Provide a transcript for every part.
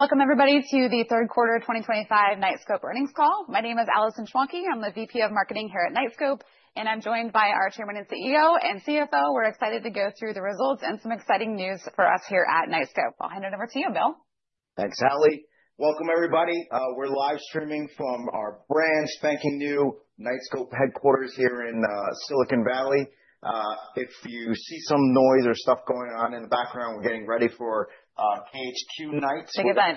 Welcome, everybody, to the third quarter 2025 Knightscope earnings call. My name is Alison Schwanke. I'm the VP of Marketing here at Knightscope, and I'm joined by our Chairman and CEO and CFO. We're excited to go through the results and some exciting news for us here at Knightscope. I'll hand it over to you, Bill. Thanks, Ali. Welcome, everybody. We're live streaming from our brand-spanking-new Knightscope headquarters here in Silicon Valley. If you see some noise or stuff going on in the background, we're getting ready for KHQ night. Take your time. We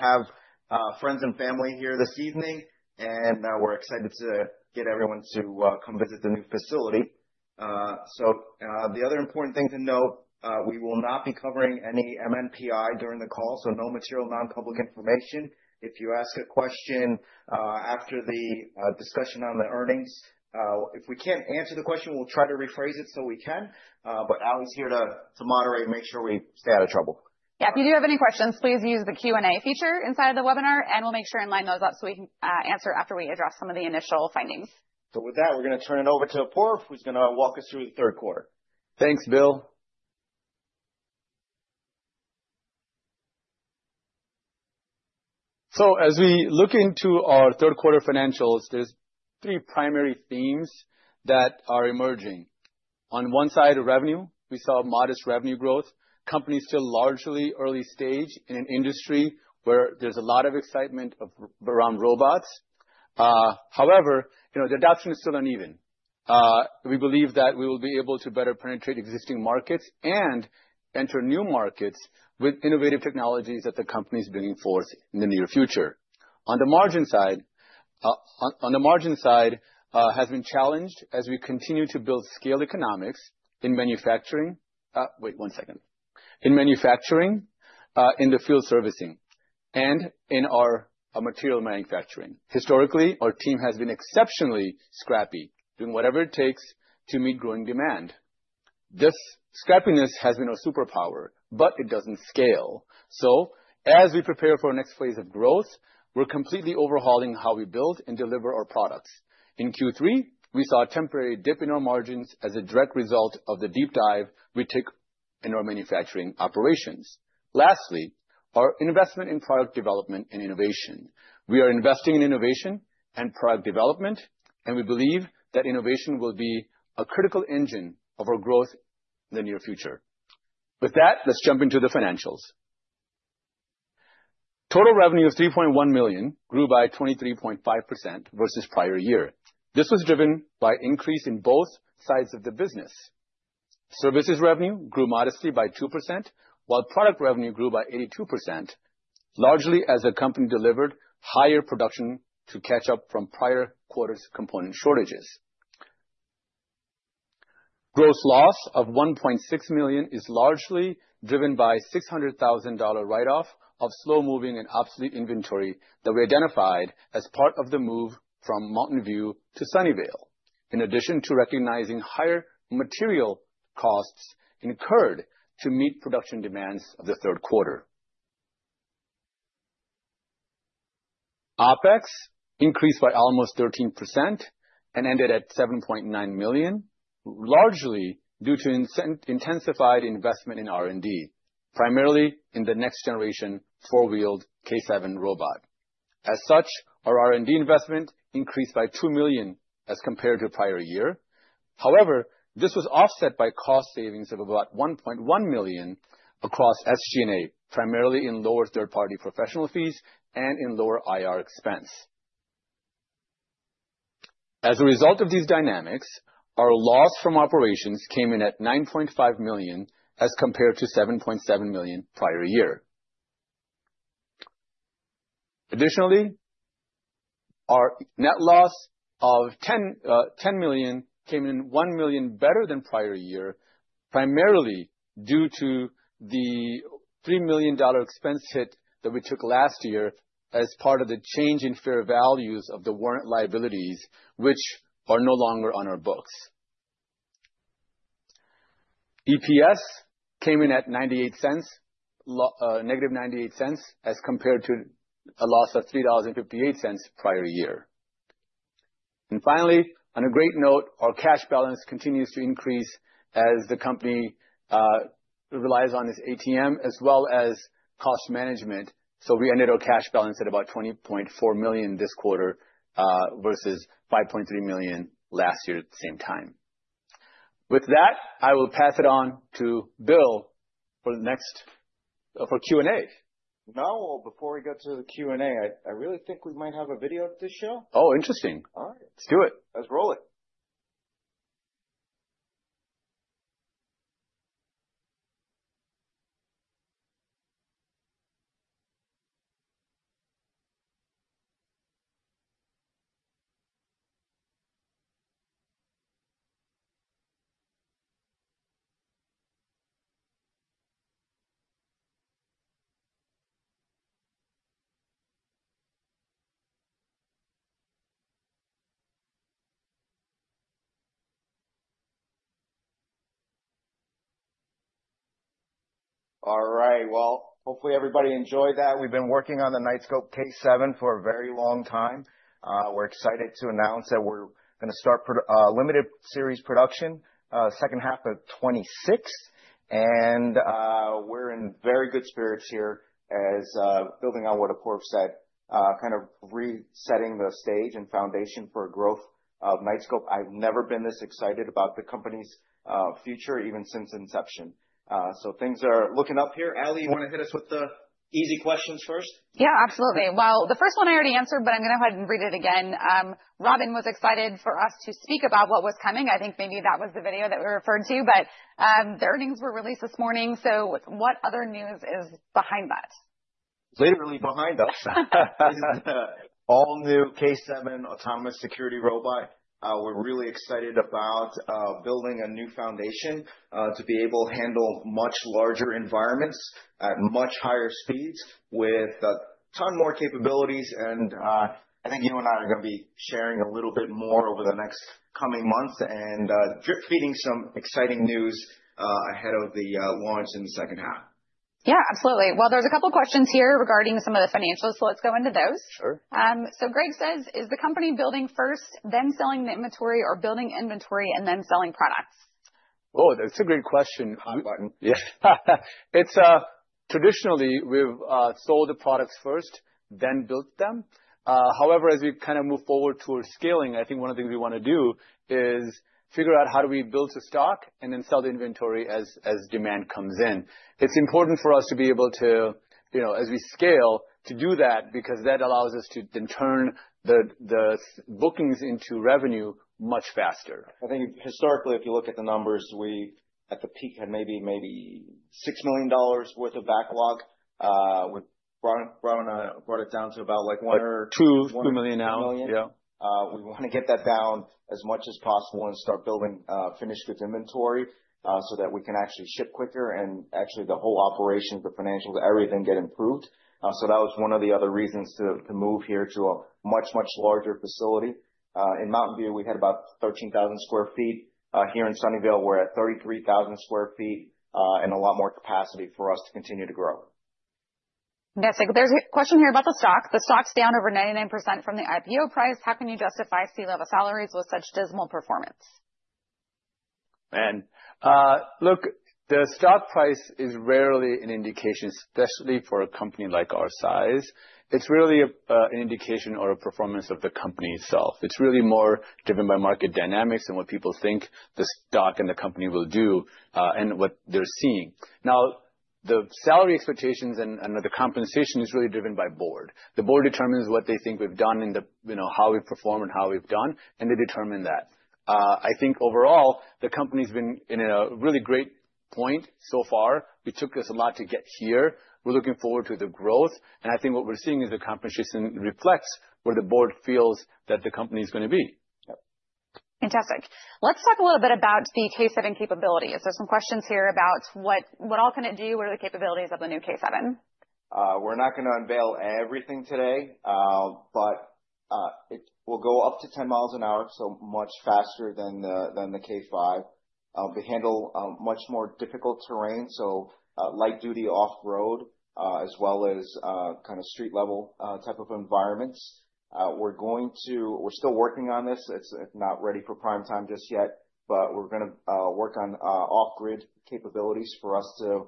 have friends and family here this evening, and we're excited to get everyone to come visit the new facility. The other important thing to note, we will not be covering any MNPI during the call, so no material non-public information. If you ask a question after the discussion on the earnings, if we can't answer the question, we'll try to rephrase it so we can, but Ali's here to moderate and make sure we stay out of trouble. Yeah, if you do have any questions, please use the Q&A feature inside of the webinar, and we'll make sure and line those up so we can answer after we address some of the initial findings. With that, we're going to turn it over to Apoorv, who's going to walk us through the third quarter. Thanks, Bill. As we look into our third quarter financials, there are three primary themes that are emerging. On one side, revenue; we saw modest revenue growth. Companies are still largely early stage in an industry where there is a lot of excitement around robots. However, you know, the adoption is still uneven. We believe that we will be able to better penetrate existing markets and enter new markets with innovative technologies that the company is bringing forth in the near future. On the margin side, has been challenged as we continue to build scale economics in manufacturing, wait, one second, in manufacturing, in the field servicing, and in our material manufacturing. Historically, our team has been exceptionally scrappy, doing whatever it takes to meet growing demand. This scrappiness has been our superpower, but it does not scale. As we prepare for our next phase of growth, we're completely overhauling how we build and deliver our products. In Q3, we saw a temporary dip in our margins as a direct result of the deep dive we took in our manufacturing operations. Lastly, our investment in product development and innovation. We are investing in innovation and product development, and we believe that innovation will be a critical engine of our growth in the near future. With that, let's jump into the financials. Total revenue of $3.1 million grew by 23.5% versus prior year. This was driven by an increase in both sides of the business. Services revenue grew modestly by 2%, while product revenue grew by 82%, largely as the company delivered higher production to catch up from prior quarter's component shortages. Gross loss of $1.6 million is largely driven by a $600,000 write-off of slow-moving and obsolete inventory that we identified as part of the move from Mountain View to Sunnyvale, in addition to recognizing higher material costs incurred to meet production demands of the third quarter. OpEx increased by almost 13% and ended at $7.9 million, largely due to intensified investment in R&D, primarily in the next-generation four-wheeled K-7 robot. As such, our R&D investment increased by $2 million as compared to prior year. However, this was offset by cost savings of about $1.1 million across SG&A, primarily in lower third-party professional fees and in lower IR expense. As a result of these dynamics, our loss from operations came in at $9.5 million as compared to $7.7 million prior year. Additionally, our net loss of $10 million came in $1 million better than prior year, primarily due to the $3 million expense hit that we took last year as part of the change in fair values of the warrant liabilities, which are no longer on our books. EPS came in at negative $0.98 as compared to a loss of $3.58 prior year. Finally, on a great note, our cash balance continues to increase as the company relies on this ATM as well as cost management. We ended our cash balance at about $20.4 million this quarter versus $5.3 million last year at the same time. With that, I will pass it on to Bill for the next for Q&A. Now, before we go to the Q&A, I really think we might have a video of this show. Oh, interesting. All right. Let's do it. Let's roll it. All right. Hopefully everybody enjoyed that. We've been working on the Knightscope K-7 for a very long time. We're excited to announce that we're going to start limited series production second half of 2026, and we're in very good spirits here as, building on what Apoorv said, kind of resetting the stage and foundation for growth of Knightscope. I've never been this excited about the company's future, even since inception. Things are looking up here. Ali, you want to hit us with the easy questions first? Yeah, absolutely. The first one I already answered, but I'm going to go ahead and read it again. Robin was excited for us to speak about what was coming. I think maybe that was the video that we referred to, but the earnings were released this morning. What other news is behind that? Literally behind us is the all-new K-7 autonomous security robot. We're really excited about building a new foundation to be able to handle much larger environments at much higher speeds with a ton more capabilities. I think you and I are going to be sharing a little bit more over the next coming months and drip-feeding some exciting news ahead of the launch in the second half. Yeah, absolutely. There are a couple of questions here regarding some of the financials, so let's go into those. Sure. Greg says, "Is the company building first, then selling the inventory, or building inventory and then selling products? Oh, that's a great question. Button. Yeah. Traditionally, we've sold the products first, then built them. However, as we kind of move forward towards scaling, I think one of the things we want to do is figure out how do we build the stock and then sell the inventory as demand comes in. It's important for us to be able to, you know, as we scale, to do that because that allows us to then turn the bookings into revenue much faster. I think historically, if you look at the numbers, we at the peak had maybe $6 million worth of backlog. We brought it down to about like one or two. Two. Two million now. Two million. Yeah. We want to get that down as much as possible and start building finished goods inventory so that we can actually ship quicker and actually the whole operation, the financials, everything get improved. That was one of the other reasons to move here to a much, much larger facility. In Mountain View, we had about 13,000 sq ft. Here in Sunnyvale, we're at 33,000 sq ft and a lot more capacity for us to continue to grow. Fantastic. There's a question here about the stock. "The stock's down over 99% from the IPO price. How can you justify C-level salaries with such dismal performance? Man, look, the stock price is rarely an indication, especially for a company like our size. It's rarely an indication or a performance of the company itself. It's really more driven by market dynamics and what people think the stock and the company will do and what they're seeing. Now, the salary expectations and the compensation is really driven by the board. The board determines what they think we've done and how we perform and how we've done, and they determine that. I think overall, the company's been in a really great point so far. It took us a lot to get here. We're looking forward to the growth, and I think what we're seeing is the compensation reflects where the board feels that the company's going to be. Fantastic. Let's talk a little bit about the K-7 capabilities. There's some questions here about what all can it do, what are the capabilities of the new K-7? We're not going to unveil everything today, but it will go up to 10 miles an hour, so much faster than the K-5. We handle much more difficult terrain, so light-duty off-road as well as kind of street-level type of environments. We're going to—we're still working on this. It's not ready for prime time just yet, but we're going to work on off-grid capabilities for us to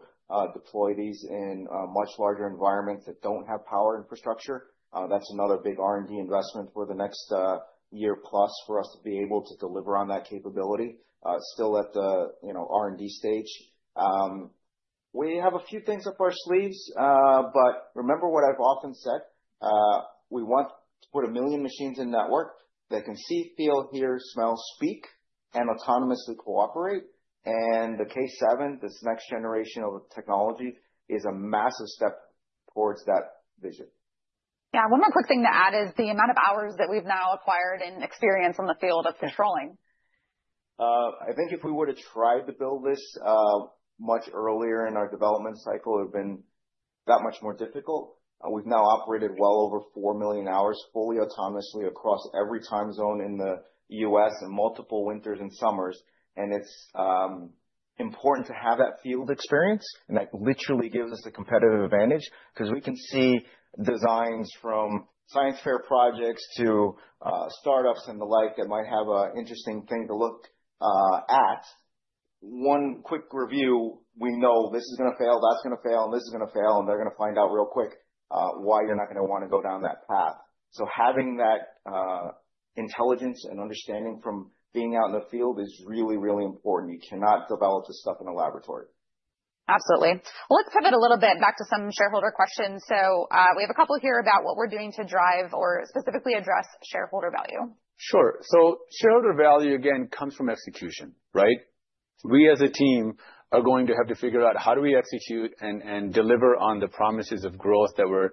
deploy these in much larger environments that don't have power infrastructure. That's another big R&D investment for the next year plus for us to be able to deliver on that capability, still at the R&D stage. We have a few things up our sleeves, but remember what I've often said: we want to put a million machines in network that can see, feel, hear, smell, speak, and autonomously cooperate. The K-7, this next generation of technology, is a massive step towards that vision. Yeah. One more quick thing to add is the amount of hours that we've now acquired and experience in the field of controlling. I think if we would have tried to build this much earlier in our development cycle, it would have been that much more difficult. We've now operated well over 4 million hours fully autonomously across every time zone in the U.S. and multiple winters and summers. It's important to have that field experience, and that literally gives us a competitive advantage because we can see designs from science fair projects to startups and the like that might have an interesting thing to look at. One quick review: we know this is going to fail, that's going to fail, and this is going to fail, and they're going to find out real quick why you're not going to want to go down that path. Having that intelligence and understanding from being out in the field is really, really important. You cannot develop this stuff in a laboratory. Absolutely. Let's pivot a little bit back to some shareholder questions. We have a couple here about what we're doing to drive or specifically address shareholder value. Sure. Shareholder value, again, comes from execution, right? We, as a team, are going to have to figure out how do we execute and deliver on the promises of growth that we're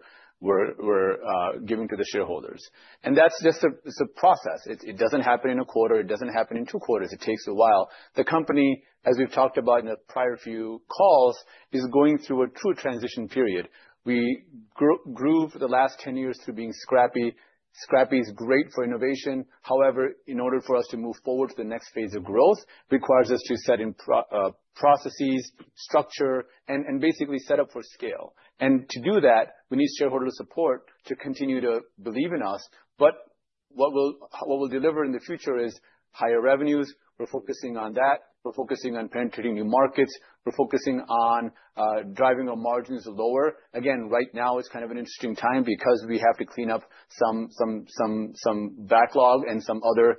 giving to the shareholders. That is just a process. It does not happen in a quarter. It does not happen in two quarters. It takes a while. The company, as we have talked about in the prior few calls, is going through a true transition period. We grew the last 10 years through being scrappy. Scrappy is great for innovation. However, in order for us to move forward to the next phase of growth, it requires us to set in processes, structure, and basically set up for scale. To do that, we need shareholder support to continue to believe in us. What we will deliver in the future is higher revenues. We are focusing on that. We're focusing on penetrating new markets. We're focusing on driving our margins lower. Right now, it's kind of an interesting time because we have to clean up some backlog and some other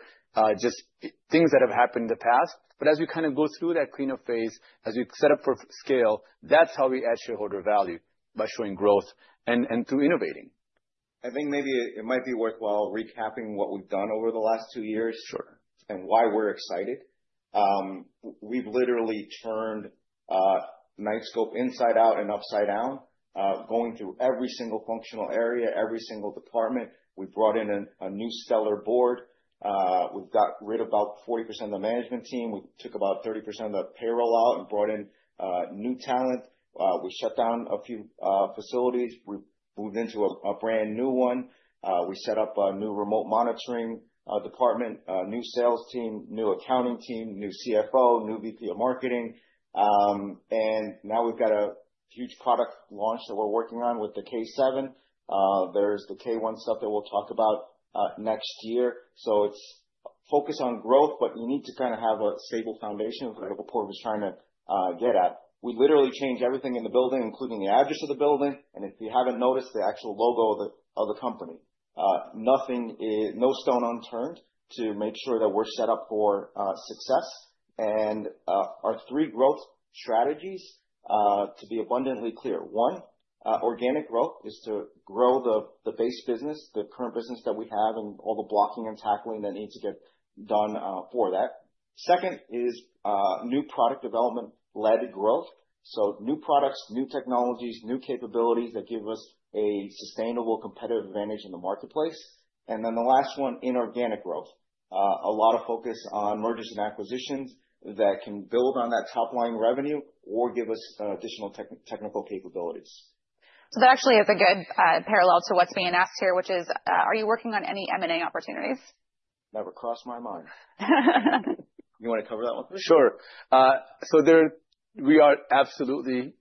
just things that have happened in the past. As we kind of go through that cleanup phase, as we set up for scale, that's how we add shareholder value by showing growth and through innovating. I think maybe it might be worthwhile recapping what we've done over the last two years and why we're excited. We've literally turned Knightscope inside out and upside down, going through every single functional area, every single department. We brought in a new stellar board. We got rid of about 40% of the management team. We took about 30% of the payroll out and brought in new talent. We shut down a few facilities. We moved into a brand new one. We set up a new remote monitoring department, a new sales team, new accounting team, new CFO, new VP of Marketing. Now we've got a huge product launch that we're working on with the K-7. There's the K-1 stuff that we'll talk about next year. It is focused on growth, but you need to kind of have a stable foundation, which Apoorv was trying to get at. We literally changed everything in the building, including the address of the building. If you haven't noticed, the actual logo of the company. No stone unturned to make sure that we're set up for success. Our three growth strategies, to be abundantly clear: one, organic growth is to grow the base business, the current business that we have and all the blocking and tackling that needs to get done for that. Second is new product development-led growth. New products, new technologies, new capabilities that give us a sustainable competitive advantage in the marketplace. The last one, inorganic growth. A lot of focus on mergers and acquisitions that can build on that top-line revenue or give us additional technical capabilities. That actually is a good parallel to what's being asked here, which is, are you working on any M&A opportunities? Never crossed my mind. You want to cover that one for me? Sure. We are absolutely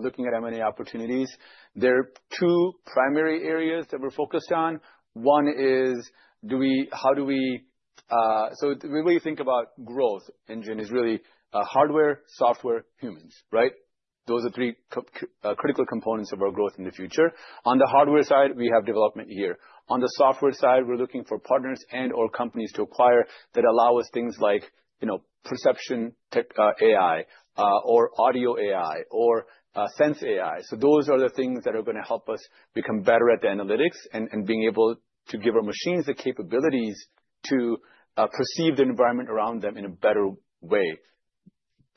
looking at M&A opportunities. There are two primary areas that we're focused on. One is, how do we—the way you think about growth engine is really hardware, software, humans, right? Those are three critical components of our growth in the future. On the hardware side, we have development here. On the software side, we're looking for partners and/or companies to acquire that allow us things like, you know, perception AI or audio AI or sense AI. Those are the things that are going to help us become better at the analytics and being able to give our machines the capabilities to perceive the environment around them in a better way.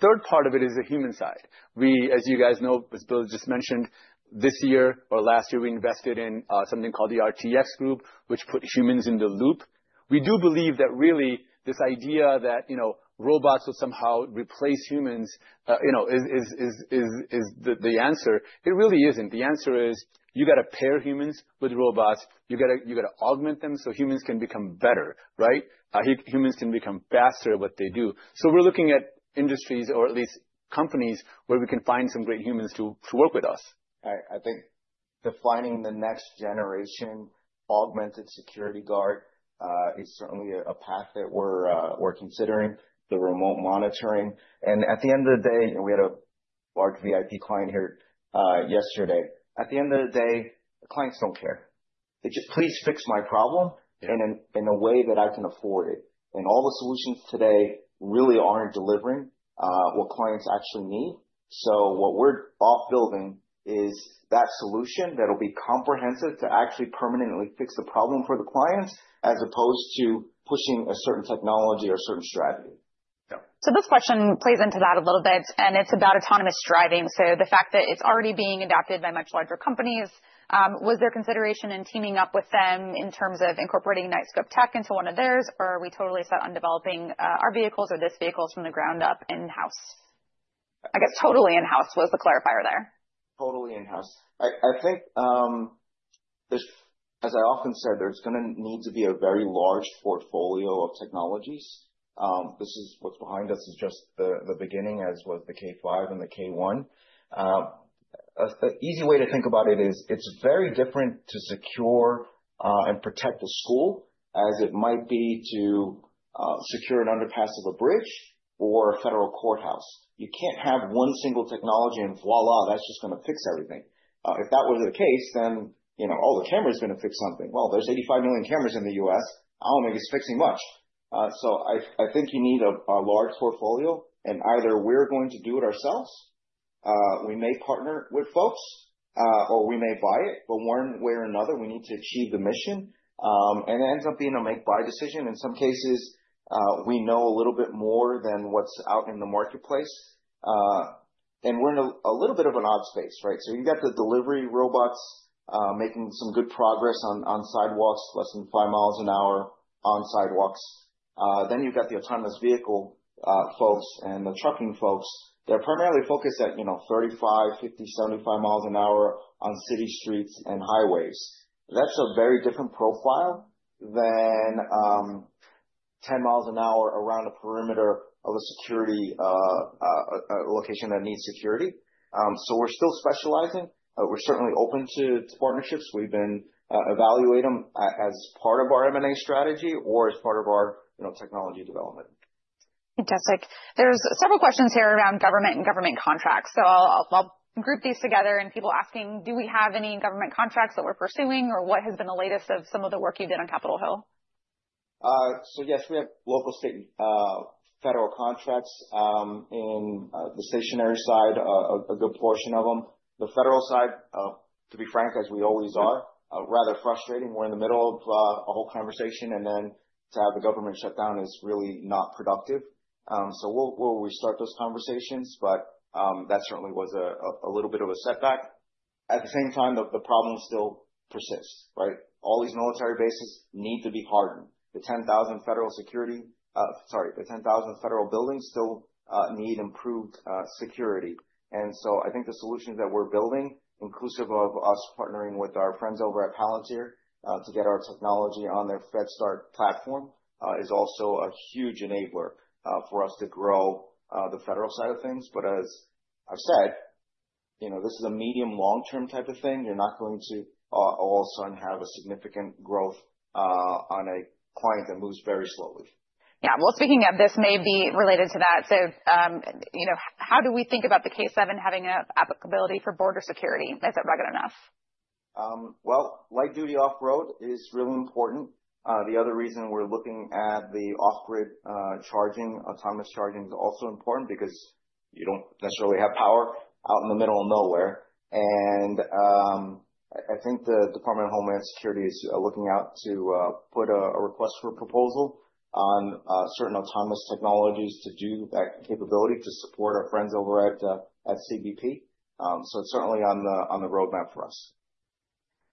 Third part of it is the human side. We, as you guys know, as Bill just mentioned, this year or last year, we invested in something called the RTX group, which put humans in the loop. We do believe that really this idea that, you know, robots will somehow replace humans, you know, is the answer. It really isn't. The answer is you got to pair humans with robots. You got to augment them so humans can become better, right? Humans can become faster at what they do. We're looking at industries or at least companies where we can find some great humans to work with us. I think defining the next generation augmented security guard is certainly a path that we're considering, the remote monitoring. At the end of the day, we had a large VIP client here yesterday. At the end of the day, the clients don't care. They just, "Please fix my problem in a way that I can afford it." All the solutions today really aren't delivering what clients actually need. What we're off-building is that solution that'll be comprehensive to actually permanently fix the problem for the clients as opposed to pushing a certain technology or a certain strategy. This question plays into that a little bit, and it's about autonomous driving. The fact that it's already being adopted by much larger companies, was there consideration in teaming up with them in terms of incorporating Knightscope tech into one of theirs, or are we totally set on developing our vehicles or this vehicle from the ground up in-house? I guess totally in-house was the clarifier there. Totally in-house. I think, as I often said, there's going to need to be a very large portfolio of technologies. This is what's behind us is just the beginning, as was the K-5 and the K-1. An easy way to think about it is it's very different to secure and protect a school as it might be to secure an underpass of a bridge or a federal courthouse. You can't have one single technology and voilà, that's just going to fix everything. If that was the case, then, you know, oh, the camera's going to fix something. Well, there's 85 million cameras in the U.S. I don't think it's fixing much. I think you need a large portfolio, and either we're going to do it ourselves, we may partner with folks, or we may buy it. One way or another, we need to achieve the mission. It ends up being a make-buy decision. In some cases, we know a little bit more than what's out in the marketplace. We're in a little bit of an odd space, right? You've got the delivery robots making some good progress on sidewalks, less than 5 miles an hour on sidewalks. You've got the autonomous vehicle folks and the trucking folks. They're primarily focused at, you know, 35, 50, 75 miles an hour on city streets and highways. That's a very different profile than 10 miles an hour around a perimeter of a security location that needs security. We're still specializing, but we're certainly open to partnerships. We've been evaluating them as part of our M&A strategy or as part of our technology development. Fantastic. There are several questions here around government and government contracts. I'll group these together and people asking, do we have any government contracts that we're pursuing or what has been the latest of some of the work you've done on Capitol Hill? Yes, we have local, state, and federal contracts in the stationary side, a good portion of them. The federal side, to be frank, as we always are, is rather frustrating. We're in the middle of a whole conversation, and then to have the government shut down is really not productive. We'll restart those conversations, but that certainly was a little bit of a setback. At the same time, the problem still persists, right? All these military bases need to be hardened. The 10,000 federal security—sorry, the 10,000 federal buildings—still need improved security. I think the solutions that we're building, inclusive of us partnering with our friends over at Palantir to get our technology on their FedStart platform, is also a huge enabler for us to grow the federal side of things. As I've said, you know, this is a medium-long-term type of thing. You're not going to all of a sudden have a significant growth on a client that moves very slowly. Yeah. Speaking of, this may be related to that. You know, how do we think about the K-7 having an applicability for border security? Is it rugged enough? Light duty off-road is really important. The other reason we're looking at the off-grid charging, autonomous charging, is also important because you don't necessarily have power out in the middle of nowhere. I think the Department of Homeland Security is looking out to put a request for proposal on certain autonomous technologies to do that capability to support our friends over at CBP. It is certainly on the roadmap for us.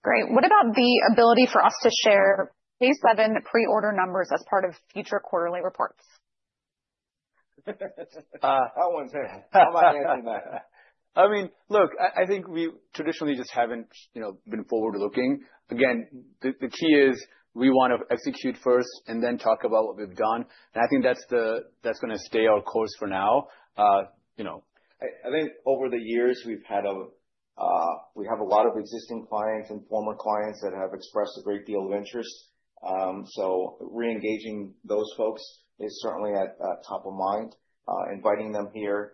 Great. What about the ability for us to share K-7 pre-order numbers as part of future quarterly reports? That one's heavy. How am I going to do that? I mean, look, I think we traditionally just haven't been forward-looking. Again, the key is we want to execute first and then talk about what we've done. I think that's going to stay our course for now. You know, I think over the years, we've had a lot of existing clients and former clients that have expressed a great deal of interest. Re-engaging those folks is certainly at top of mind, inviting them here,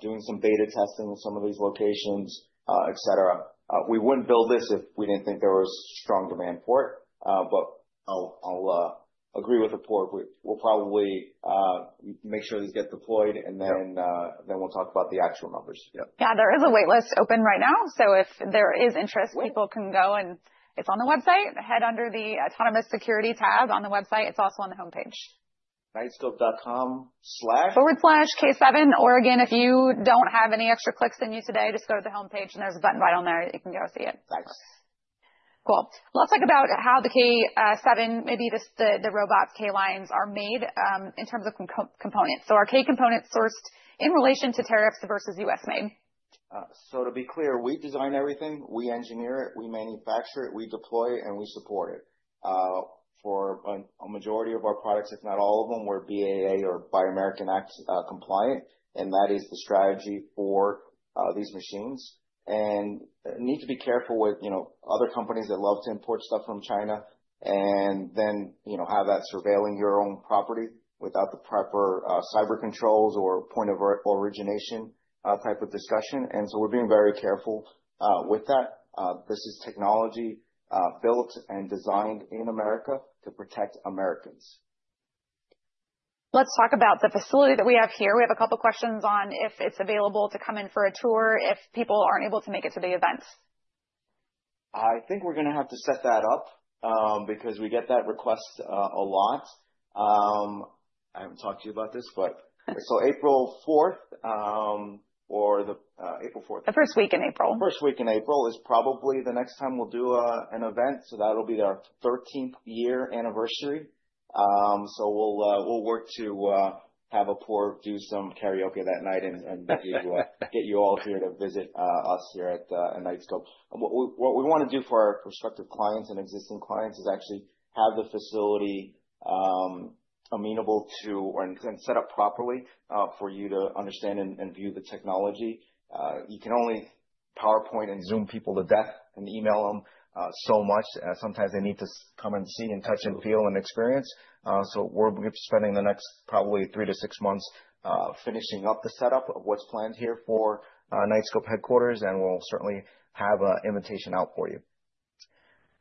doing some beta testing in some of these locations, et cetera. We wouldn't build this if we didn't think there was strong demand for it. I'll agree with Apoorv, we'll probably make sure these get deployed, and then we'll talk about the actual numbers. Yeah. There is a waitlist open right now. If there is interest, people can go and it's on the website. Head under the autonomous security tab on the website. It's also on the homepage. Knightscope.com/. Forward slash K-7 Oregon. If you don't have any extra clicks in you today, just go to the homepage, and there's a button right on there. You can go see it. Thanks. Cool. Let's talk about how the K-7, maybe the robots, K lines are made in terms of components. So, are K components sourced in relation to tariffs versus U.S. made? To be clear, we design everything. We engineer it. We manufacture it. We deploy it, and we support it. For a majority of our products, if not all of them, we're BAA or Buy American Act compliant. That is the strategy for these machines. You need to be careful with, you know, other companies that love to import stuff from China and then, you know, have that surveilling your own property without the proper cyber controls or point of origination type of discussion. We're being very careful with that. This is technology built and designed in America to protect Americans. Let's talk about the facility that we have here. We have a couple of questions on if it's available to come in for a tour if people aren't able to make it to the event. I think we're going to have to set that up because we get that request a lot. I haven't talked to you about this, but, April 4th or the April 4th. The first week in April. First week in April is probably the next time we'll do an event. That'll be our 13th year anniversary. We'll work to have Apoorv do some karaoke that night and get you all here to visit us here at Knightscope. What we want to do for our prospective clients and existing clients is actually have the facility amenable to or set up properly for you to understand and view the technology. You can only PowerPoint and Zoom people to death and email them so much. Sometimes they need to come and see and touch and feel and experience. We're spending the next probably three to six months finishing up the setup of what's planned here for Knightscope headquarters, and we'll certainly have an invitation out for you.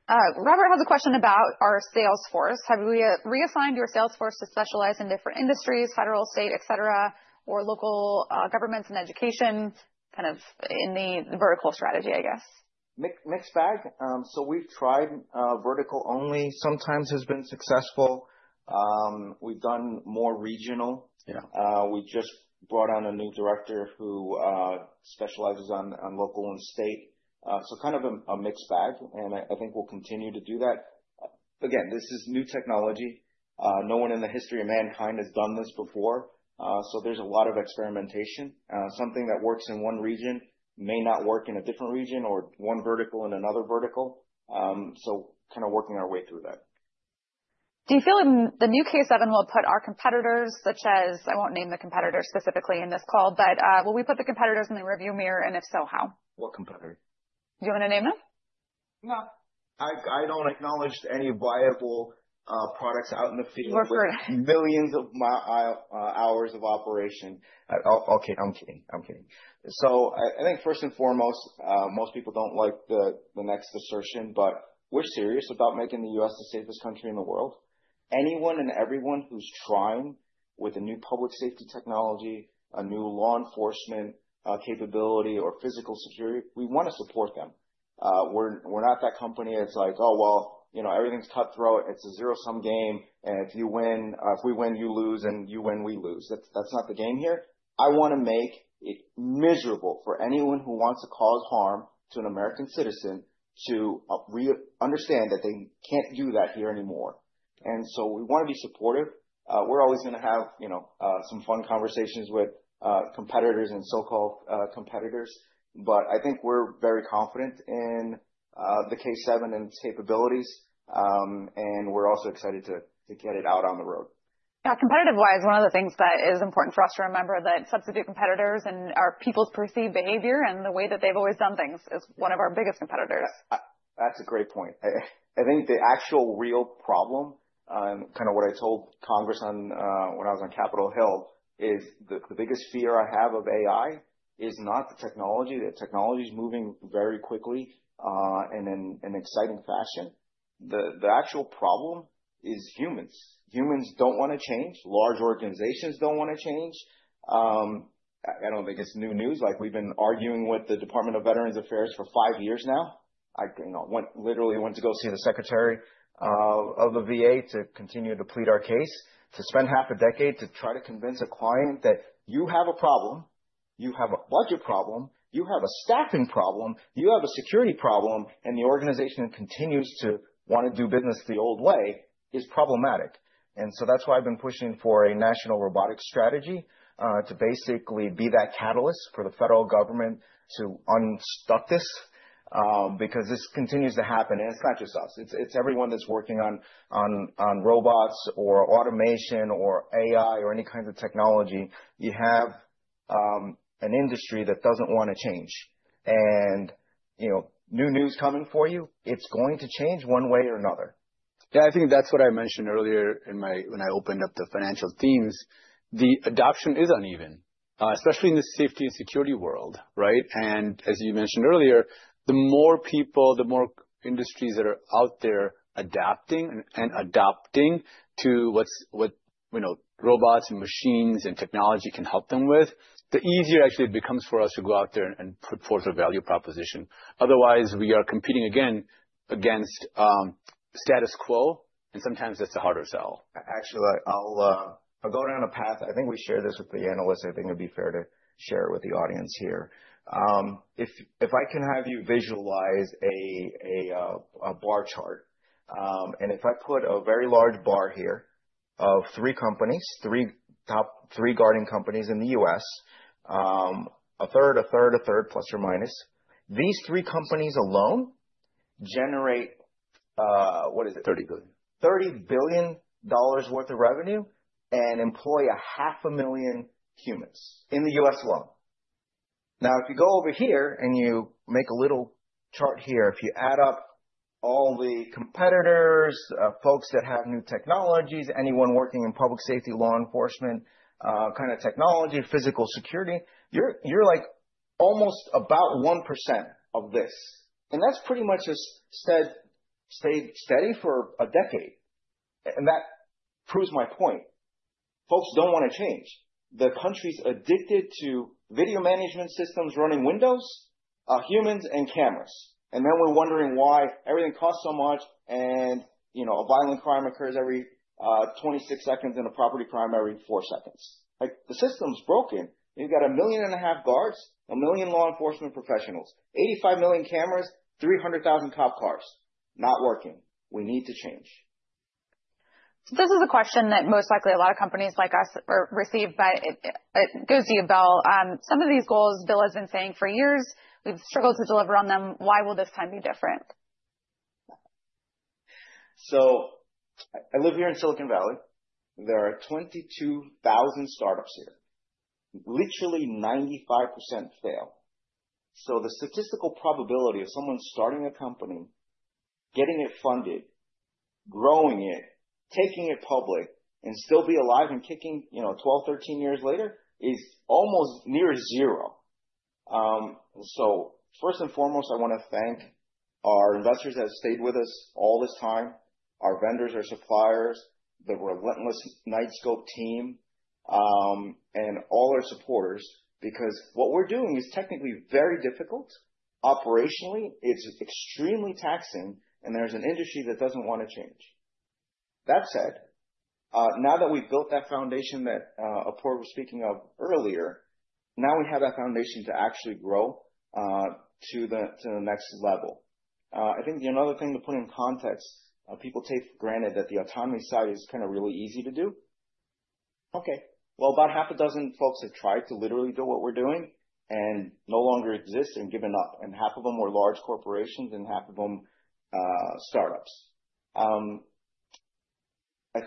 Robert has a question about our sales force. Have we reassigned your sales force to specialize in different industries, federal, state, et cetera, or local governments and education, kind of in the vertical strategy, I guess? Mixed bag. We have tried vertical only. Sometimes has been successful. We have done more regional. We just brought on a new director who specializes on local and state. Kind of a mixed bag. I think we will continue to do that. Again, this is new technology. No one in the history of mankind has done this before. There is a lot of experimentation. Something that works in one region may not work in a different region or one vertical in another vertical. Kind of working our way through that. Do you feel the new K-7 will put our competitors, such as—I won't name the competitors specifically in this call—but will we put the competitors in the rearview mirror? And if so, how? What competitor? Do you want to name them? No. I don't acknowledge any viable products out in the field. We're for it. Millions of hours of operation. I'm kidding. I'm kidding. I think first and foremost, most people don't like the next assertion, but we're serious about making the U.S. the safest country in the world. Anyone and everyone who's trying with a new public safety technology, a new law enforcement capability, or physical security, we want to support them. We're not that company that's like, "Oh, well, you know, everything's cutthroat. It's a zero-sum game. If we win, you lose, and you win, we lose." That's not the game here. I want to make it miserable for anyone who wants to cause harm to an American citizen to understand that they can't do that here anymore. We want to be supportive. We're always going to have, you know, some fun conversations with competitors and so-called competitors. I think we're very confident in the K-7 and its capabilities. We're also excited to get it out on the road. Yeah. Competitive-wise, one of the things that is important for us to remember is that substitute competitors and our people's perceived behavior and the way that they've always done things is one of our biggest competitors. That's a great point. I think the actual real problem, kind of what I told Congress when I was on Capitol Hill, is the biggest fear I have of AI is not the technology. The technology is moving very quickly and in an exciting fashion. The actual problem is humans. Humans don't want to change. Large organizations don't want to change. I don't think it's new news. Like, we've been arguing with the Department of Veterans Affairs for five years now. I literally went to go see the Secretary of the VA to continue to plead our case, to spend half a decade to try to convince a client that you have a problem, you have a budget problem, you have a staffing problem, you have a security problem, and the organization continues to want to do business the old way is problematic. That is why I've been pushing for a national robotics strategy to basically be that catalyst for the federal government to unstuck this because this continues to happen. It is not just us. It is everyone that is working on robots or automation or AI or any kind of technology. You have an industry that does not want to change. You know, new news coming for you, it is going to change one way or another. Yeah. I think that's what I mentioned earlier when I opened up the financial themes. The adoption is uneven, especially in the safety and security world, right? As you mentioned earlier, the more people, the more industries that are out there adapting and adopting to what robots and machines and technology can help them with, the easier actually it becomes for us to go out there and put forth a value proposition. Otherwise, we are competing again against status quo, and sometimes that's the harder sell. Actually, I'll go down a path. I think we shared this with the analysts. I think it'd be fair to share it with the audience here. If I can have you visualize a bar chart, and if I put a very large bar here of three companies, three guarding companies in the U.S., a third, a third, a third, plus or minus, these three companies alone generate—what is it? 30 billion. $30 billion worth of revenue and employ 500,000 humans in the U.S. alone. Now, if you go over here and you make a little chart here, if you add up all the competitors, folks that have new technologies, anyone working in public safety, law enforcement, kind of technology, physical security, you're like almost about 1% of this. And that's pretty much just stayed steady for a decade. That proves my point. Folks don't want to change. The country's addicted to video management systems running Windows, humans, and cameras. You know, we're wondering why everything costs so much, and, you know, a violent crime occurs every 26 seconds and a property crime every 4 seconds. The system's broken. You've got 1,500,000 guards, 1,000,000 law enforcement professionals, 85,000,000 cameras, 300,000 cop cars not working. We need to change. This is a question that most likely a lot of companies like us receive, but it goes to you, Bill. Some of these goals, Bill has been saying for years, we've struggled to deliver on them. Why will this time be different? I live here in Silicon Valley. There are 22,000 startups here. Literally, 95% fail. The statistical probability of someone starting a company, getting it funded, growing it, taking it public, and still be alive and kicking, you know, 12, 13 years later is almost near zero. First and foremost, I want to thank our investors that have stayed with us all this time, our vendors, our suppliers, the relentless Knightscope team, and all our supporters, because what we're doing is technically very difficult. Operationally, it's extremely taxing, and there's an industry that doesn't want to change. That said, now that we've built that foundation that Apoorv was speaking of earlier, now we have that foundation to actually grow to the next level. I think another thing to put in context, people take for granted that the autonomy side is kind of really easy to do. Okay. About half a dozen folks have tried to literally do what we're doing and no longer exist and given up. Half of them were large corporations and half of them startups. I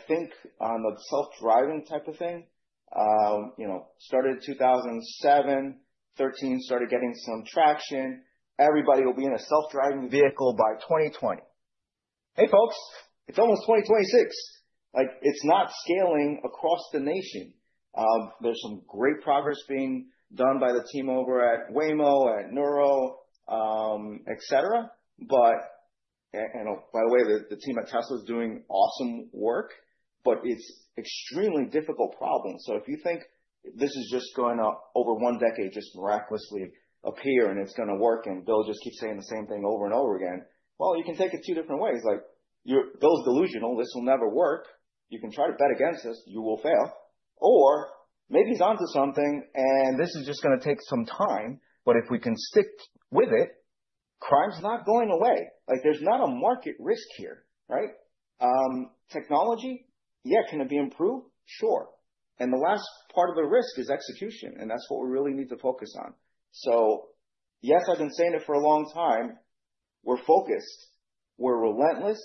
think on the self-driving type of thing, you know, started in 2007, 2013, started getting some traction. Everybody will be in a self-driving vehicle by 2020. Hey, folks, it's almost 2026. Like, it's not scaling across the nation. There's some great progress being done by the team over at Waymo, at Nuro, et cetera. By the way, the team at Tesla is doing awesome work, but it's an extremely difficult problem. If you think this is just going to over one decade just miraculously appear and it's going to work, and Bill just keeps saying the same thing over and over again, well, you can take it two different ways. Like, Bill's delusional. This will never work. You can try to bet against us. You will fail. Maybe he's onto something, and this is just going to take some time. If we can stick with it, crime's not going away. Like, there's not a market risk here, right? Technology, yeah, can it be improved? Sure. The last part of the risk is execution. That's what we really need to focus on. Yes, I've been saying it for a long time. We're focused. We're relentless.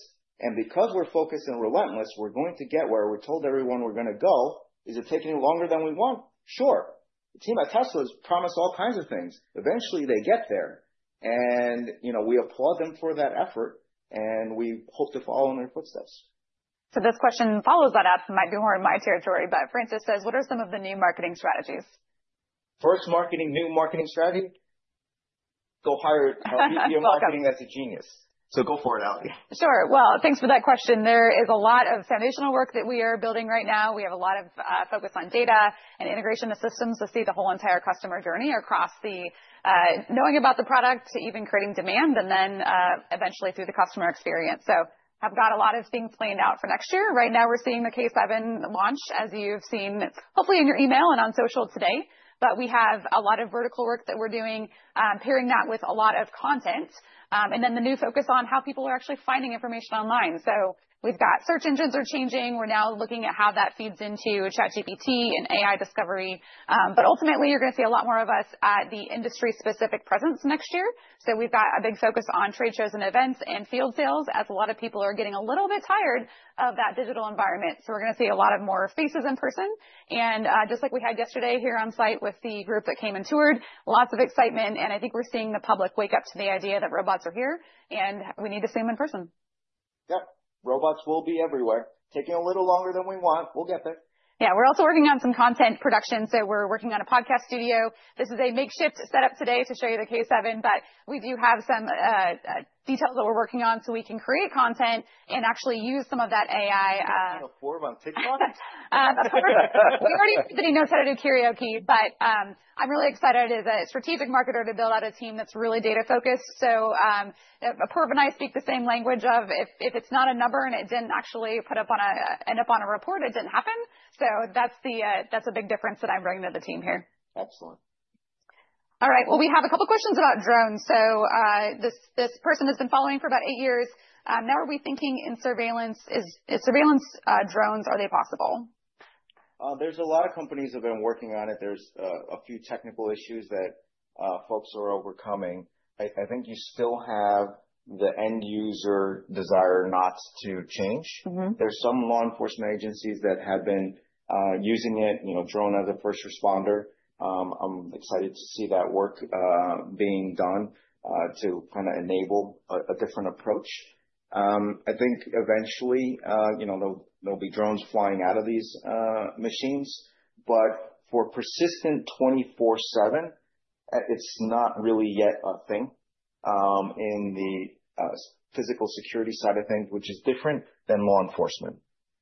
Because we're focused and relentless, we're going to get where we told everyone we're going to go. Is it taking longer than we want? Sure. The team at Tesla has promised all kinds of things. Eventually, they get there. You know, we applaud them for that effort, and we hope to follow in their footsteps. This question follows that up. It might be more in my territory, but Francis says, what are some of the new marketing strategies? First marketing, new marketing strategy. Go hire a VP of Marketing that's a genius. Go for it, Ali. Sure. Thanks for that question. There is a lot of foundational work that we are building right now. We have a lot of focus on data and integration of systems to see the whole entire customer journey across the knowing about the product to even creating demand and then eventually through the customer experience. I've got a lot of things planned out for next year. Right now, we're seeing the K-7 launch, as you've seen hopefully in your email and on social today. We have a lot of vertical work that we're doing, pairing that with a lot of content. The new focus is on how people are actually finding information online. We've got search engines are changing. We're now looking at how that feeds into ChatGPT and AI discovery. Ultimately, you're going to see a lot more of us at the industry-specific presence next year. We've got a big focus on trade shows and events and field sales, as a lot of people are getting a little bit tired of that digital environment. We're going to see a lot more faces in person. Just like we had yesterday here on site with the group that came and toured, lots of excitement. I think we're seeing the public wake up to the idea that robots are here, and we need to see them in person. Yep. Robots will be everywhere. Taking a little longer than we want. We'll get there. Yeah. We're also working on some content production. We're working on a podcast studio. This is a makeshift setup today to show you the K-7, but we do have some details that we're working on so we can create content and actually use some of that AI. Apoorv on TikTok? Of course. We already know how to do karaoke, but I'm really excited as a strategic marketer to build out a team that's really data-focused. Apoorv and I speak the same language of if it's not a number and it didn't actually end up on a report, it didn't happen. That's a big difference that I'm bringing to the team here. Excellent. All right. We have a couple of questions about drones. This person has been following for about eight years. Now, are we thinking in surveillance? Is surveillance drones, are they possible? There's a lot of companies that have been working on it. There's a few technical issues that folks are overcoming. I think you still have the end user desire not to change. There's some law enforcement agencies that have been using it, you know, drone as a first responder. I'm excited to see that work being done to kind of enable a different approach. I think eventually, you know, there'll be drones flying out of these machines. For persistent 24/7, it's not really yet a thing in the physical security side of things, which is different than law enforcement.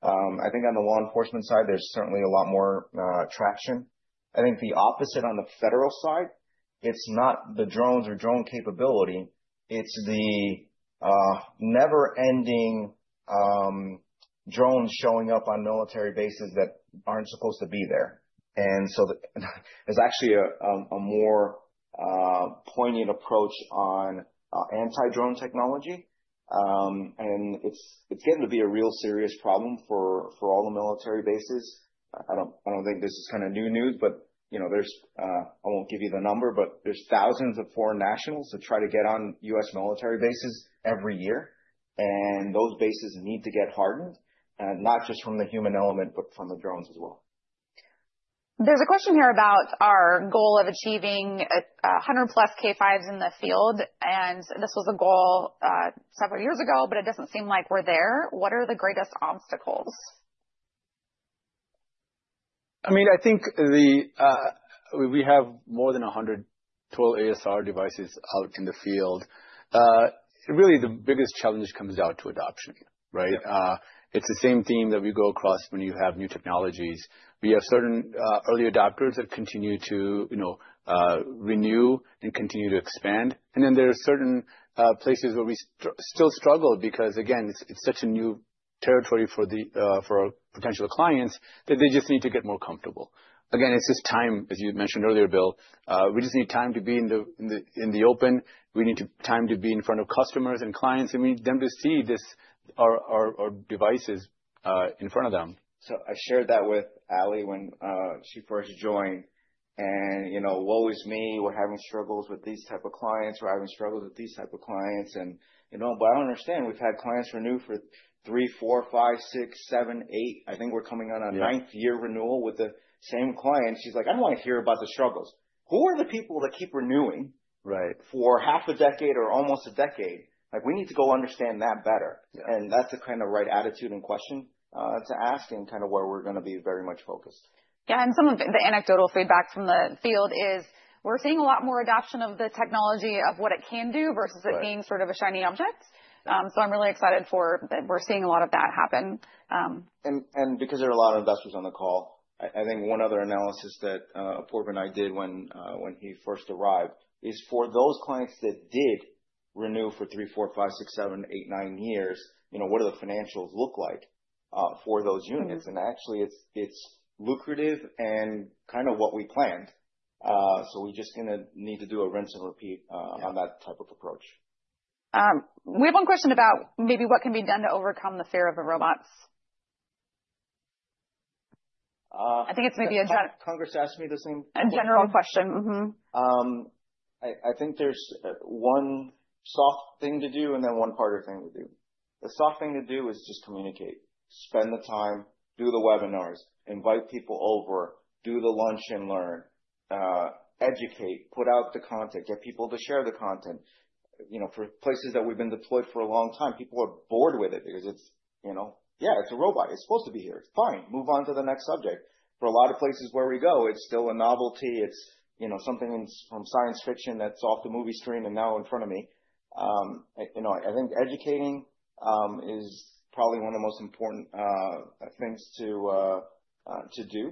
I think on the law enforcement side, there's certainly a lot more traction. I think the opposite on the federal side, it's not the drones or drone capability. It's the never-ending drones showing up on military bases that aren't supposed to be there. There is actually a more poignant approach on anti-drone technology. It is getting to be a real serious problem for all the U.S. military bases. I do not think this is kind of new news, but, you know, there is—I will not give you the number, but there are thousands of foreign nationals that try to get on U.S. military bases every year. Those bases need to get hardened, not just from the human element, but from the drones as well. There's a question here about our goal of achieving 100+ K-5s in the field. This was a goal several years ago, but it doesn't seem like we're there. What are the greatest obstacles? I mean, I think we have more than 112 ASR devices out in the field. Really, the biggest challenge comes down to adoption, right? It's the same theme that we go across when you have new technologies. We have certain early adopters that continue to, you know, renew and continue to expand. There are certain places where we still struggle because, again, it's such a new territory for potential clients that they just need to get more comfortable. Again, it's just time, as you mentioned earlier, Bill. We just need time to be in the open. We need time to be in front of customers and clients, and we need them to see our devices in front of them. I shared that with Ali when she first joined. You know, it's always me. We're having struggles with these types of clients. We're having struggles with these types of clients. You know, I understand we've had clients renew for three, four, five, six, seven, eight. I think we're coming on a ninth-year renewal with the same client. She's like, "I don't want to hear about the struggles." Who are the people that keep renewing for half a decade or almost a decade? Like, we need to go understand that better. That's the kind of right attitude and question to ask and kind of where we're going to be very much focused. Yeah. Some of the anecdotal feedback from the field is we're seeing a lot more adoption of the technology of what it can do versus it being sort of a shiny object. I'm really excited that we're seeing a lot of that happen. Because there are a lot of investors on the call, I think one other analysis that Apoorv and I did when he first arrived is for those clients that did renew for three, four, five, six, seven, eight, nine years, you know, what do the financials look like for those units? Actually, it's lucrative and kind of what we planned. We're just going to need to do a rinse and repeat on that type of approach. We have one question about maybe what can be done to overcome the fear of the robots. I think it's maybe a general. Congress asked me the same question. A general question. I think there's one soft thing to do and then one harder thing to do. The soft thing to do is just communicate. Spend the time, do the webinars, invite people over, do the lunch and learn, educate, put out the content, get people to share the content. You know, for places that we've been deployed for a long time, people are bored with it because it's, you know, yeah, it's a robot. It's supposed to be here. It's fine. Move on to the next subject. For a lot of places where we go, it's still a novelty. It's, you know, something from science fiction that's off the movie screen and now in front of me. You know, I think educating is probably one of the most important things to do.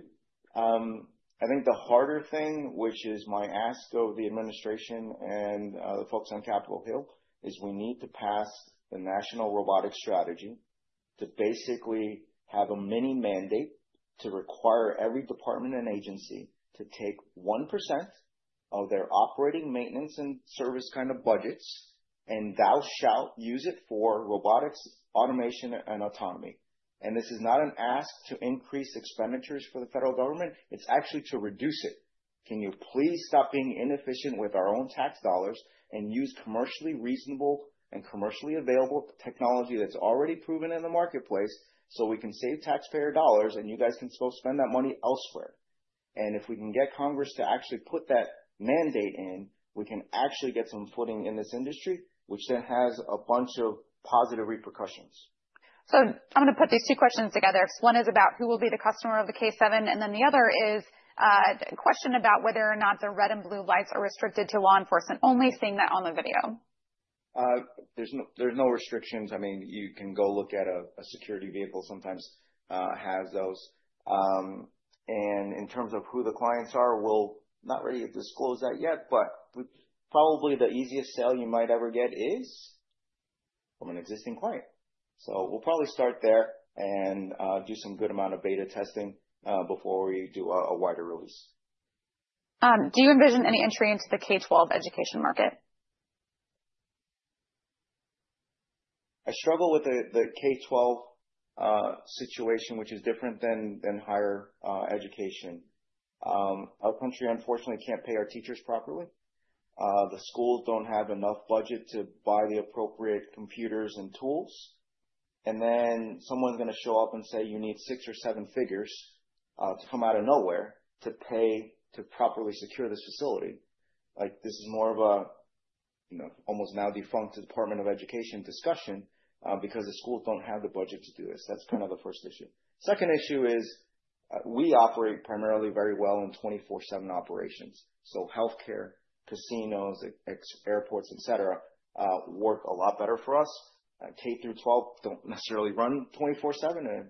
I think the harder thing, which is my ask of the administration and the folks on Capitol Hill, is we need to pass the National Robotics Strategy to basically have a mini mandate to require every department and agency to take 1% of their operating, maintenance, and service kind of budgets and thou shalt use it for robotics, automation, and autonomy. This is not an ask to increase expenditures for the federal government. It's actually to reduce it. Can you please stop being inefficient with our own tax dollars and use commercially reasonable and commercially available technology that's already proven in the marketplace so we can save taxpayer dollars and you guys can still spend that money elsewhere? If we can get Congress to actually put that mandate in, we can actually get some footing in this industry, which then has a bunch of positive repercussions. I'm going to put these two questions together. One is about who will be the customer of the K-7, and then the other is a question about whether or not the red and blue lights are restricted to law enforcement only, seeing that on the video. There's no restrictions. I mean, you can go look at a security vehicle sometimes has those. In terms of who the clients are, we'll not really disclose that yet, but probably the easiest sale you might ever get is from an existing client. We'll probably start there and do some good amount of beta testing before we do a wider release. Do you envision any entry into the K-12 education market? I struggle with the K-12 situation, which is different than higher education. Our country, unfortunately, can't pay our teachers properly. The schools don't have enough budget to buy the appropriate computers and tools. Then someone's going to show up and say, "You need six or seven figures to come out of nowhere to pay to properly secure this facility." Like, this is more of a, you know, almost now defunct Department of Education discussion because the schools don't have the budget to do this. That's kind of the first issue. The second issue is we operate primarily very well in 24/7 operations. Healthcare, casinos, airports, et cetera, work a lot better for us. K through 12 don't necessarily run 24/7.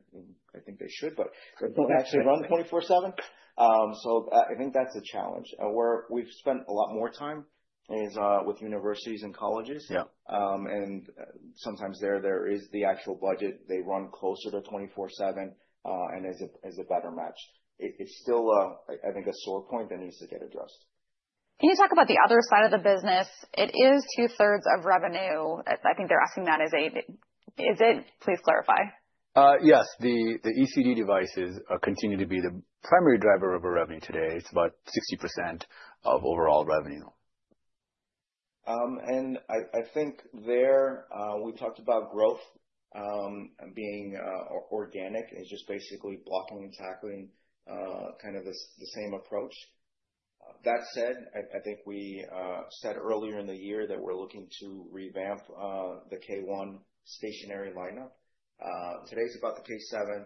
I think they should, but they don't actually run 24/7. I think that's a challenge. Where we've spent a lot more time is with universities and colleges. Sometimes there is the actual budget. They run closer to 24/7 and is a better match. It's still, I think, a sore point that needs to get addressed. Can you talk about the other side of the business? It is two-thirds of revenue. I think they're asking that as a—is it? Please clarify. Yes. The ECD devices continue to be the primary driver of our revenue today. It's about 60% of overall revenue. I think there we talked about growth being organic and just basically blocking and tackling kind of the same approach. That said, I think we said earlier in the year that we're looking to revamp the K-1 stationary lineup. Today's about the K-7.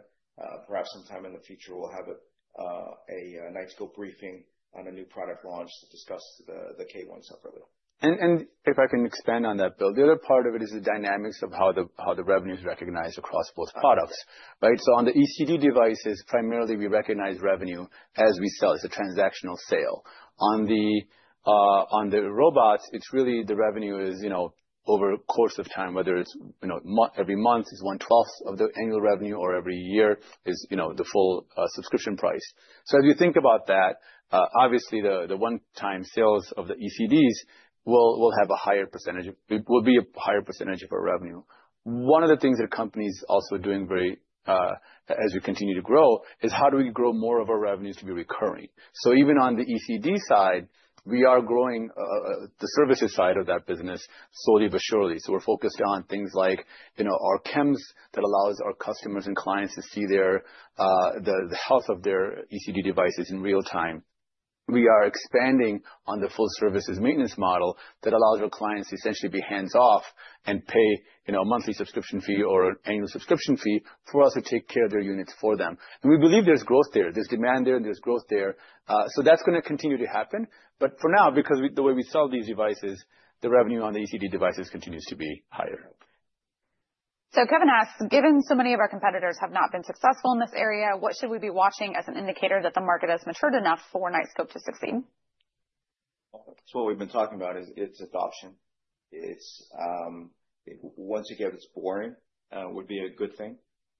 Perhaps sometime in the future, we'll have a Knightscope briefing on a new product launch to discuss the K-1 separately. If I can expand on that, Bill, the other part of it is the dynamics of how the revenue is recognized across both products, right? On the ECD devices, primarily we recognize revenue as we sell. It is a transactional sale. On the robots, the revenue is, you know, over a course of time, whether it is, you know, every month is one-twelfth of the annual revenue or every year is, you know, the full subscription price. As we think about that, obviously the one-time sales of the ECDs will be a higher percentage of our revenue. One of the things that companies are also doing as we continue to grow is how do we grow more of our revenues to be recurring? Even on the ECD side, we are growing the services side of that business slowly but surely. We're focused on things like, you know, our CEMS that allows our customers and clients to see the health of their ECD devices in real time. We are expanding on the full services maintenance model that allows our clients essentially to be hands-off and pay, you know, a monthly subscription fee or an annual subscription fee for us to take care of their units for them. We believe there's growth there. There's demand there and there's growth there. That's going to continue to happen. For now, because of the way we sell these devices, the revenue on the ECD devices continues to be higher. Kevin asks, given so many of our competitors have not been successful in this area, what should we be watching as an indicator that the market has matured enough for Knightscope to succeed? That's what we've been talking about is its adoption. Once you get it, it's boring would be a good thing.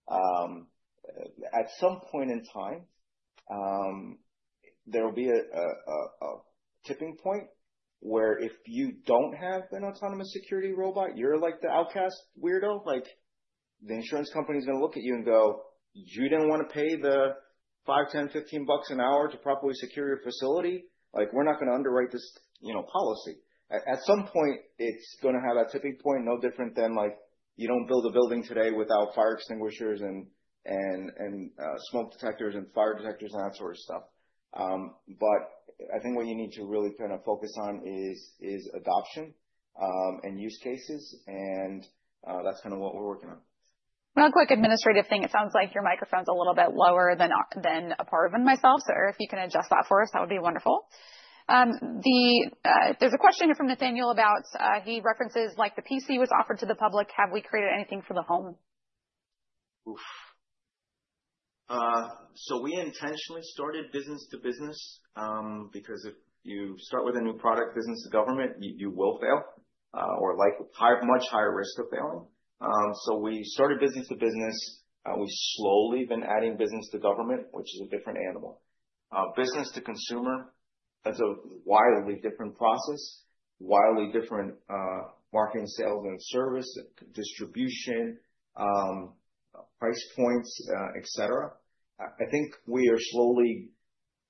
At some point in time, there will be a tipping point where if you don't have an autonomous security robot, you're like the outcast weirdo. Like, the insurance company is going to look at you and go, "You didn't want to pay the $5, $10, $15 an hour to properly secure your facility? Like, we're not going to underwrite this, you know, policy." At some point, it's going to have a tipping point no different than like you don't build a building today without fire extinguishers and smoke detectors and fire detectors and that sort of stuff. I think what you need to really kind of focus on is adoption and use cases. And that's kind of what we're working on. Real quick administrative thing. It sounds like your microphone's a little bit lower than Apoorv and myself. If you can adjust that for us, that would be wonderful. There's a question here from Nathaniel about, he references like the PC was offered to the public. Have we created anything for the home? Oof. We intentionally started business to business because if you start with a new product, business to government, you will fail or have much higher risk of failing. We started business to business. We've slowly been adding business to government, which is a different animal. Business to consumer, that's a wildly different process, wildly different marketing, sales, and service, distribution, price points, et cetera. I think we are slowly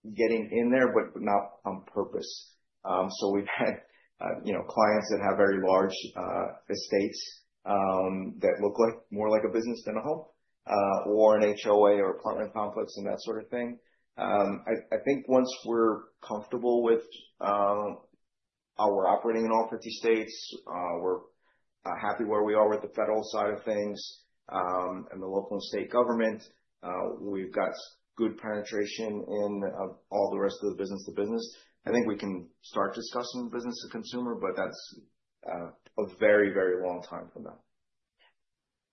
getting in there, but not on purpose. We've had, you know, clients that have very large estates that look more like a business than a home or an HOA or apartment complex and that sort of thing. I think once we're comfortable with how we're operating in all 50 states, we're happy where we are with the federal side of things and the local and state government. We've got good penetration in all the rest of the business to business. I think we can start discussing business to consumer, but that's a very, very long time from now.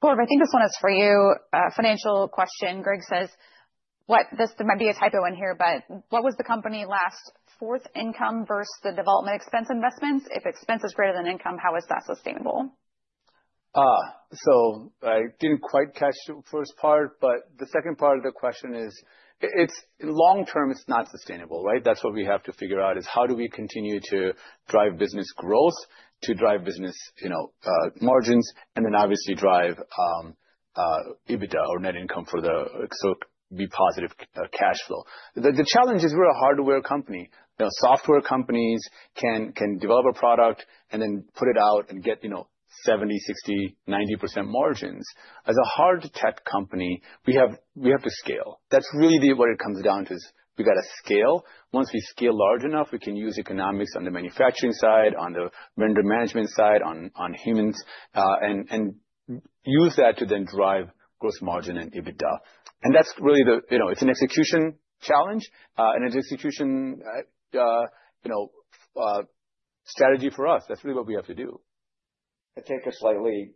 Apoorv, I think this one is for you. Financial question. Greg says, "What—this might be a typo in here, but what was the company last fourth income versus the development expense investments? If expense is greater than income, how is that sustainable? I didn't quite catch the first part, but the second part of the question is, it's long term, it's not sustainable, right? That's what we have to figure out is how do we continue to drive business growth, to drive business, you know, margins, and then obviously drive EBITDA or net income for the so be positive cash flow. The challenge is we're a hardware company. You know, software companies can develop a product and then put it out and get, you know, 70%, 60%, 90% margins. As a hard tech company, we have to scale. That's really what it comes down to is we got to scale. Once we scale large enough, we can use economics on the manufacturing side, on the vendor management side, on humans, and use that to then drive gross margin and EBITDA. That's really the, you know, it's an execution challenge and an execution, you know, strategy for us. That's really what we have to do. I take a slightly,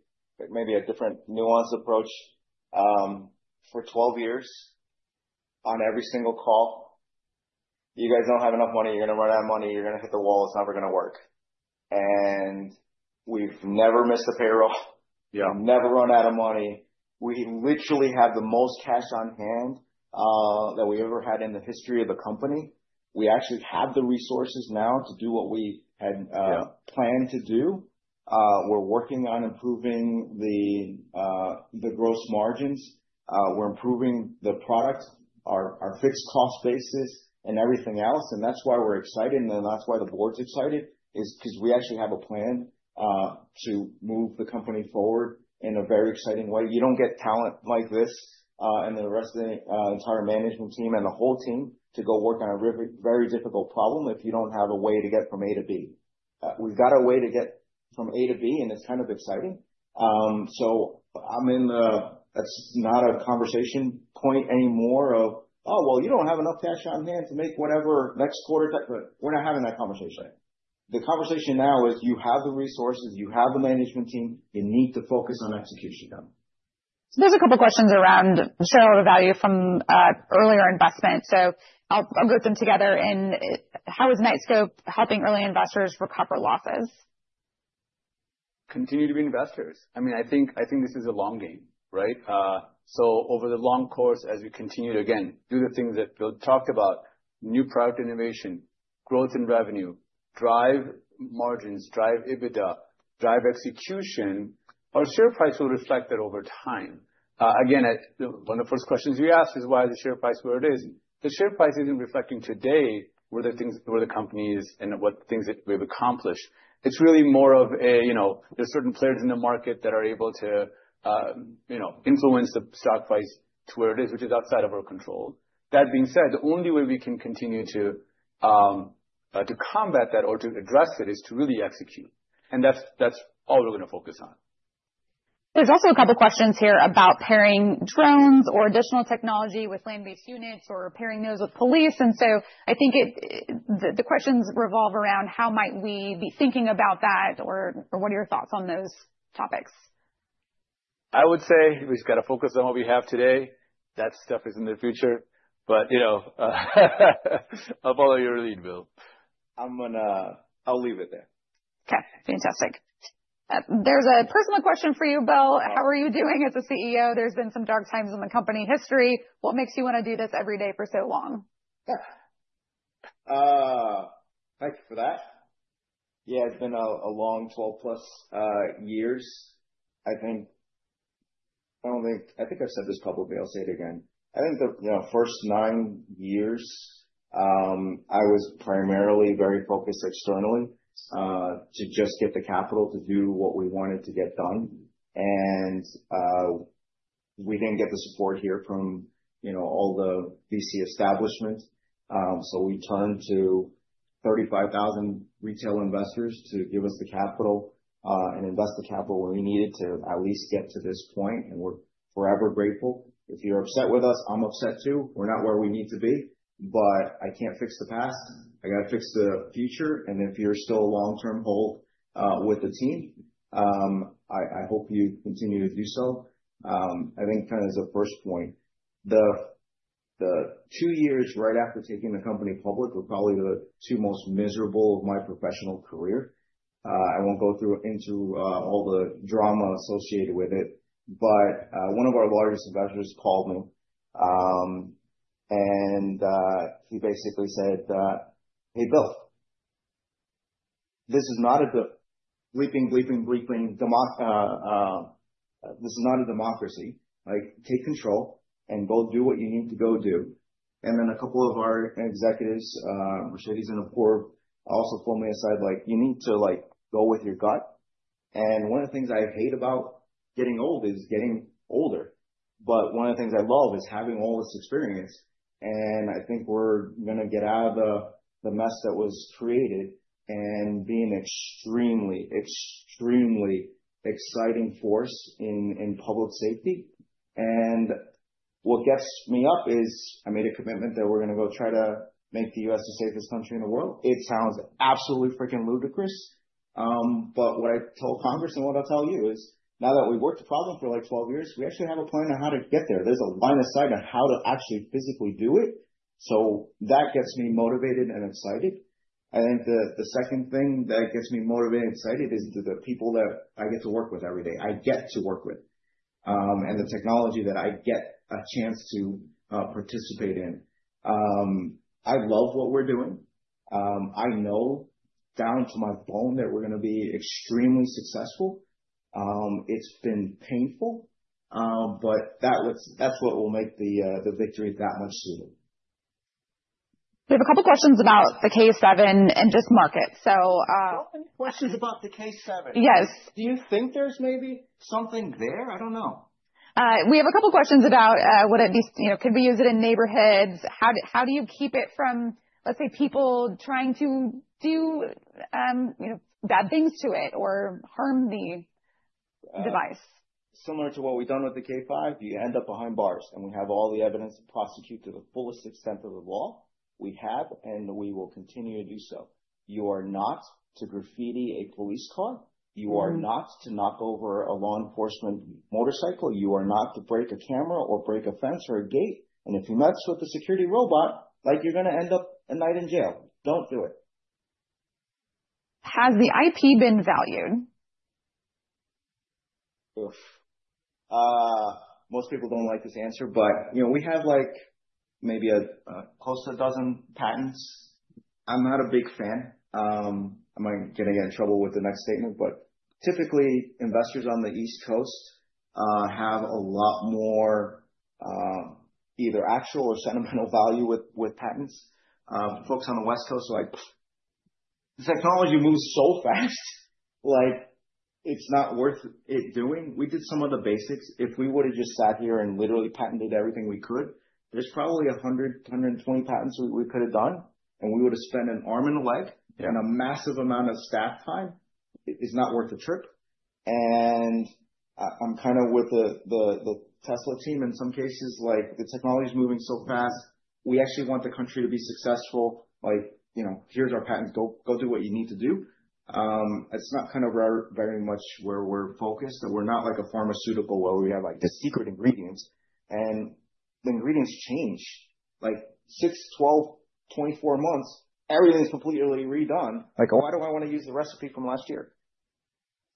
maybe a different nuanced approach. For 12 years on every single call, you guys do not have enough money. You are going to run out of money. You are going to hit the wall. It is never going to work. We have never missed a payroll. We have never run out of money. We literally have the most cash on hand that we ever had in the history of the company. We actually have the resources now to do what we had planned to do. We are working on improving the gross margins. We are improving the product, our fixed cost basis, and everything else. That is why we are excited. That is why the board is excited, because we actually have a plan to move the company forward in a very exciting way. You don't get talent like this and the rest of the entire management team and the whole team to go work on a very difficult problem if you don't have a way to get from A-B. We've got a way to get from A-B, and it's kind of exciting. I'm in the, that's not a conversation point anymore of, "Oh, well, you don't have enough cash on hand to make whatever next quarter type," but we're not having that conversation. The conversation now is you have the resources, you have the management team, you need to focus on execution now. There's a couple of questions around shareholder value from earlier investment. I'll group them together in how is Knightscope helping early investors recover losses? Continue to be investors. I mean, I think this is a long game, right? Over the long course, as we continue to, again, do the things that Bill talked about, new product innovation, growth in revenue, drive margins, drive EBITDA, drive execution, our share price will reflect that over time. Again, one of the first questions you asked is why is the share price where it is? The share price is not reflecting today where the things, where the company is and what things that we have accomplished. It is really more of a, you know, there are certain players in the market that are able to, you know, influence the stock price to where it is, which is outside of our control. That being said, the only way we can continue to combat that or to address it is to really execute. That is all we are going to focus on. There's also a couple of questions here about pairing drones or additional technology with land-based units or pairing those with police. I think the questions revolve around how might we be thinking about that or what are your thoughts on those topics? I would say we've got to focus on what we have today. That stuff is in the future. You know, up all your lead, Bill. I'm going to, I'll leave it there. Okay. Fantastic. There's a personal question for you, Bill. How are you doing as a CEO? There's been some dark times in the company history. What makes you want to do this every day for so long? Thank you for that. Yeah, it's been a long 12+ years. I think, I don't think, I think I've said this publicly. I'll say it again. I think the, you know, first nine years, I was primarily very focused externally to just get the capital to do what we wanted to get done. We didn't get the support here from, you know, all the VC establishment. We turned to 35,000 retail investors to give us the capital and invest the capital where we needed to at least get to this point. We're forever grateful. If you're upset with us, I'm upset too. We're not where we need to be, but I can't fix the past. I got to fix the future. If you're still a long-term hold with the team, I hope you continue to do so. I think kind of as a first point, the two years right after taking the company public were probably the two most miserable of my professional career. I won't go through into all the drama associated with it, but one of our largest investors called me and he basically said, "Hey, Bill, this is not a fucking, fucking, fucking, this is not a democracy. Like, take control and go do what you need to go do." A couple of our executives, Mercedes and Apoorv, also pulled me aside, like, "You need to like go with your gut." One of the things I hate about getting old is getting older. One of the things I love is having all this experience. I think we're going to get out of the mess that was created and be an extremely, extremely exciting force in public safety. What gets me up is I made a commitment that we're going to go try to make the U.S. the safest country in the world. It sounds absolutely freaking ludicrous. What I told Congress and what I'll tell you is now that we've worked the problem for like 12 years, we actually have a plan on how to get there. There's a line aside on how to actually physically do it. That gets me motivated and excited. I think the second thing that gets me motivated and excited is the people that I get to work with every day. I get to work with and the technology that I get a chance to participate in. I love what we're doing. I know down to my bone that we're going to be extremely successful. It's been painful, but that's what will make the victory that much sweeter. We have a couple of questions about the K-7 and just market. Questions about the K-7. Yes. Do you think there's maybe something there? I don't know. We have a couple of questions about what it, you know, could we use it in neighborhoods? How do you keep it from, let's say, people trying to do, you know, bad things to it or harm the device? Similar to what we've done with the K-5, you end up behind bars and we have all the evidence to prosecute to the fullest extent of the law. We have and we will continue to do so. You are not to graffiti a police car. You are not to knock over a law enforcement motorcycle. You are not to break a camera or break a fence or a gate. If you mess with the security robot, like you're going to end up a night in jail. Don't do it. Has the IP been valued? Oof. Most people don't like this answer, but you know, we have like maybe close to a dozen patents. I'm not a big fan. I might get into trouble with the next statement, but typically investors on the East Coast have a lot more either actual or sentimental value with patents. Folks on the West Coast are like, the technology moves so fast, like it's not worth it doing. We did some of the basics. If we would have just sat here and literally patented everything we could, there's probably 100-120 patents we could have done and we would have spent an arm and a leg and a massive amount of staff time. It's not worth the trip. I'm kind of with the Tesla team in some cases, like the technology is moving so fast. We actually want the country to be successful. Like, you know, here's our patent. Go do what you need to do. It's not kind of very much where we're focused. We're not like a pharmaceutical where we have like the secret ingredients. And the ingredients change. Like 6, 12, 24 months, everything's completely redone. Like, why do I want to use the recipe from last year?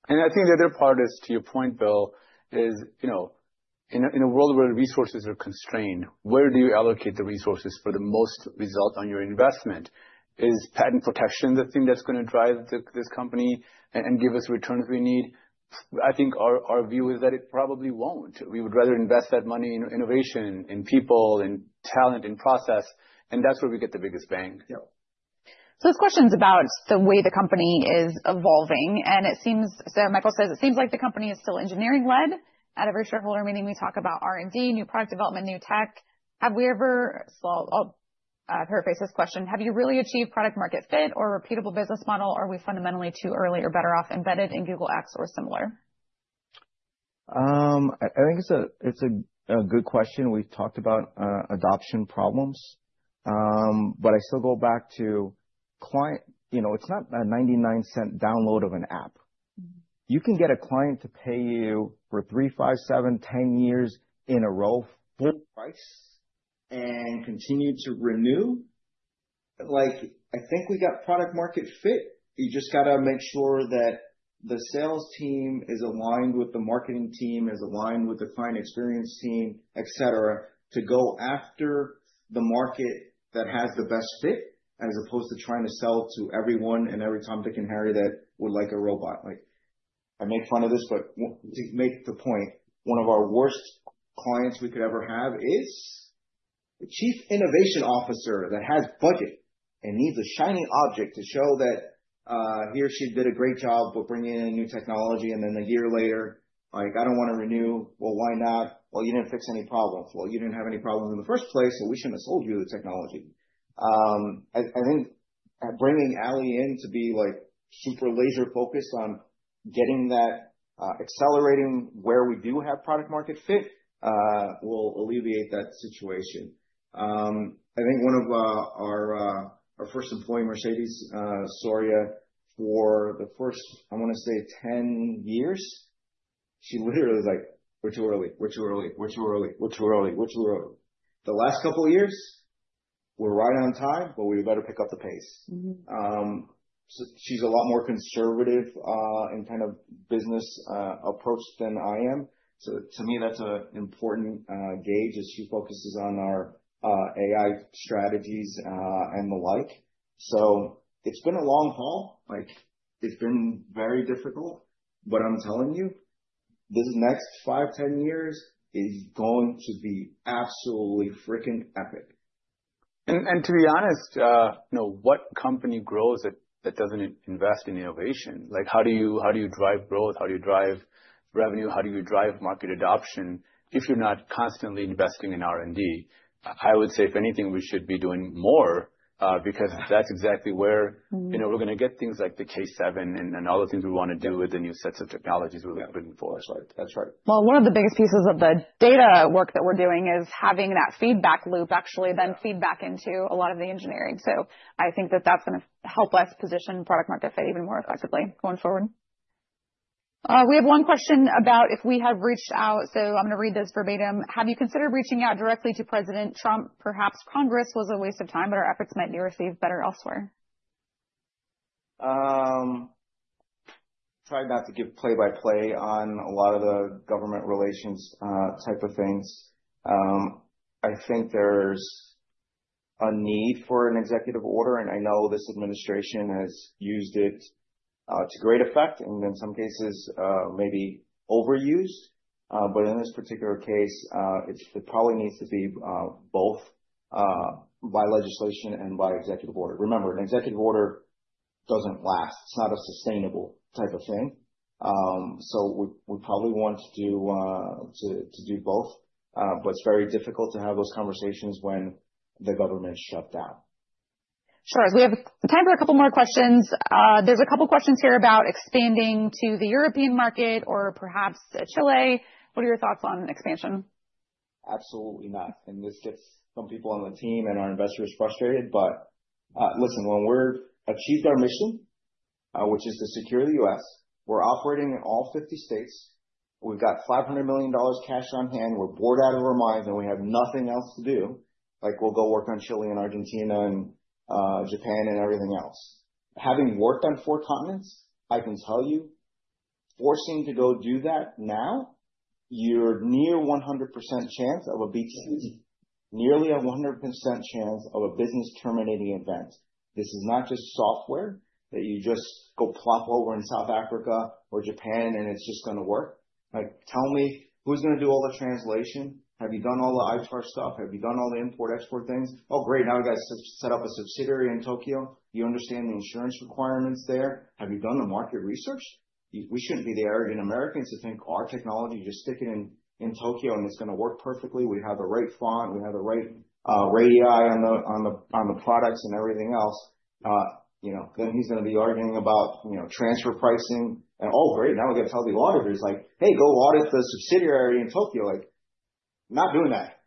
I think the other part is to your point, Bill, is, you know, in a world where resources are constrained, where do you allocate the resources for the most result on your investment? Is patent protection the thing that's going to drive this company and give us returns we need? I think our view is that it probably won't. We would rather invest that money in innovation, in people, in talent, in process. That's where we get the biggest bang. Yeah. This question is about the way the company is evolving. It seems, so Michael says, it seems like the company is still engineering-led. At every shareholder meeting, we talk about R&D, new product development, new tech. Have we ever, I'll paraphrase this question, have you really achieved product-market fit or repeatable business model? Are we fundamentally too early or better off embedded in Google X or similar? I think it's a good question. We've talked about adoption problems. I still go back to client, you know, it's not a $0.99 download of an app. You can get a client to pay you for 3, 5, 7, 10 years in a row full price and continue to renew. Like, I think we got product-market fit. You just got to make sure that the sales team is aligned with the marketing team, is aligned with the client experience team, et cetera, to go after the market that has the best fit as opposed to trying to sell to everyone and every Tom, Dick, and Harry that would like a robot. Like, I make fun of this, but to make the point, one of our worst clients we could ever have is the Chief Innovation Officer that has budget and needs a shiny object to show that he or she did a great job, but bring in a new technology. A year later, like, I don't want to renew. Why not? You didn't fix any problems. You didn't have any problems in the first place, so we shouldn't have sold you the technology. I think bringing Ali in to be like super laser-focused on getting that accelerating where we do have product-market fit will alleviate that situation. I think one of our first employees, Mercedes Soria, for the first, I want to say 10 years, she literally was like, "We're too early. We're too early. We're too early. We're too early. We're too early." The last couple of years, we're right on time, but we better pick up the pace. She's a lot more conservative in kind of business approach than I am. To me, that's an important gauge as she focuses on our AI strategies and the like. It's been a long haul. It's been very difficult, but I'm telling you, this next 5-10 years is going to be absolutely freaking epic. To be honest, you know, what company grows that doesn't invest in innovation? How do you drive growth? How do you drive revenue? How do you drive market adoption if you're not constantly investing in R&D? I would say if anything, we should be doing more because that's exactly where, you know, we're going to get things like the K-7 and all the things we want to do with the new sets of technologies we're putting forward. That's right. That's right. One of the biggest pieces of the data work that we're doing is having that feedback loop actually then feed back into a lot of the engineering. I think that that's going to help us position product-market fit even more effectively going forward. We have one question about if we have reached out. I'm going to read this verbatim. Have you considered reaching out directly to President Trump? Perhaps Congress was a waste of time, but our efforts might be received better elsewhere. Try not to give play-by-play on a lot of the government relations type of things. I think there's a need for an executive order. I know this administration has used it to great effect and in some cases maybe overused. In this particular case, it probably needs to be both by legislation and by executive order. Remember, an executive order doesn't last. It's not a sustainable type of thing. We probably want to do both, but it's very difficult to have those conversations when the government's shut down. Sure. We have time for a couple more questions. There's a couple of questions here about expanding to the European market or perhaps Chile. What are your thoughts on expansion? Absolutely not. This gets some people on the team and our investors frustrated. Listen, when we've achieved our mission, which is to secure the U.S., we're operating in all 50 states. We've got $500 million cash on hand. We're bored out of our minds and we have nothing else to do. Like, we'll go work on Chile and Argentina and Japan and everything else. Having worked on four continents, I can tell you, forcing to go do that now, you're near 100% chance of a BTC, nearly a 100% chance of a business-terminating event. This is not just software that you just go plop over in South Africa or Japan and it's just going to work. Like, tell me, who's going to do all the translation? Have you done all the ITAR stuff? Have you done all the import-export things? Oh, great. Now we got to set up a subsidiary in Tokyo. You understand the insurance requirements there. Have you done the market research? We shouldn't be the arrogant Americans to think our technology, just stick it in Tokyo and it's going to work perfectly. We have the right font. We have the right RAI on the products and everything else. You know, then he's going to be arguing about, you know, transfer pricing. Oh, great. Now we got to tell the auditors like, "Hey, go audit the subsidiary in Tokyo." Like, not doing that.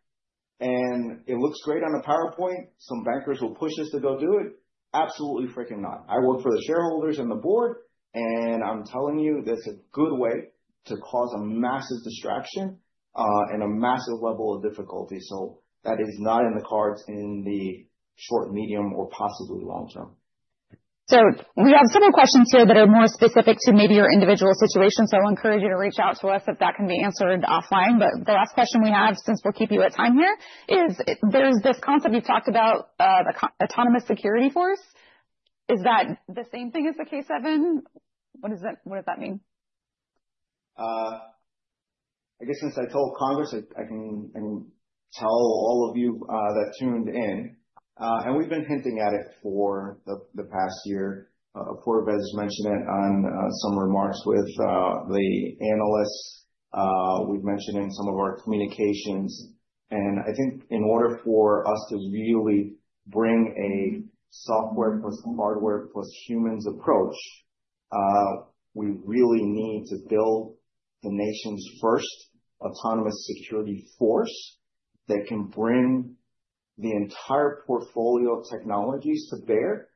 It looks great on a PowerPoint. Some bankers will push us to go do it. Absolutely freaking not. I work for the shareholders and the board, and I'm telling you, that's a good way to cause a massive distraction and a massive level of difficulty. That is not in the cards in the short, medium, or possibly long term. We have several questions here that are more specific to maybe your individual situation. I'll encourage you to reach out to us if that can be answered offline. The last question we have, since we'll keep you at time here, is there's this concept you've talked about, the autonomous security force. Is that the same thing as the K-7? What does that mean? I guess since I told Congress, I can tell all of you that tuned in. We've been hinting at it for the past year. Apoorv has mentioned it on some remarks with the analysts. We've mentioned in some of our communications. I think in order for us to really bring a software plus hardware plus humans approach, we really need to build the nation's first autonomous security force that can bring the entire portfolio of technologies to bear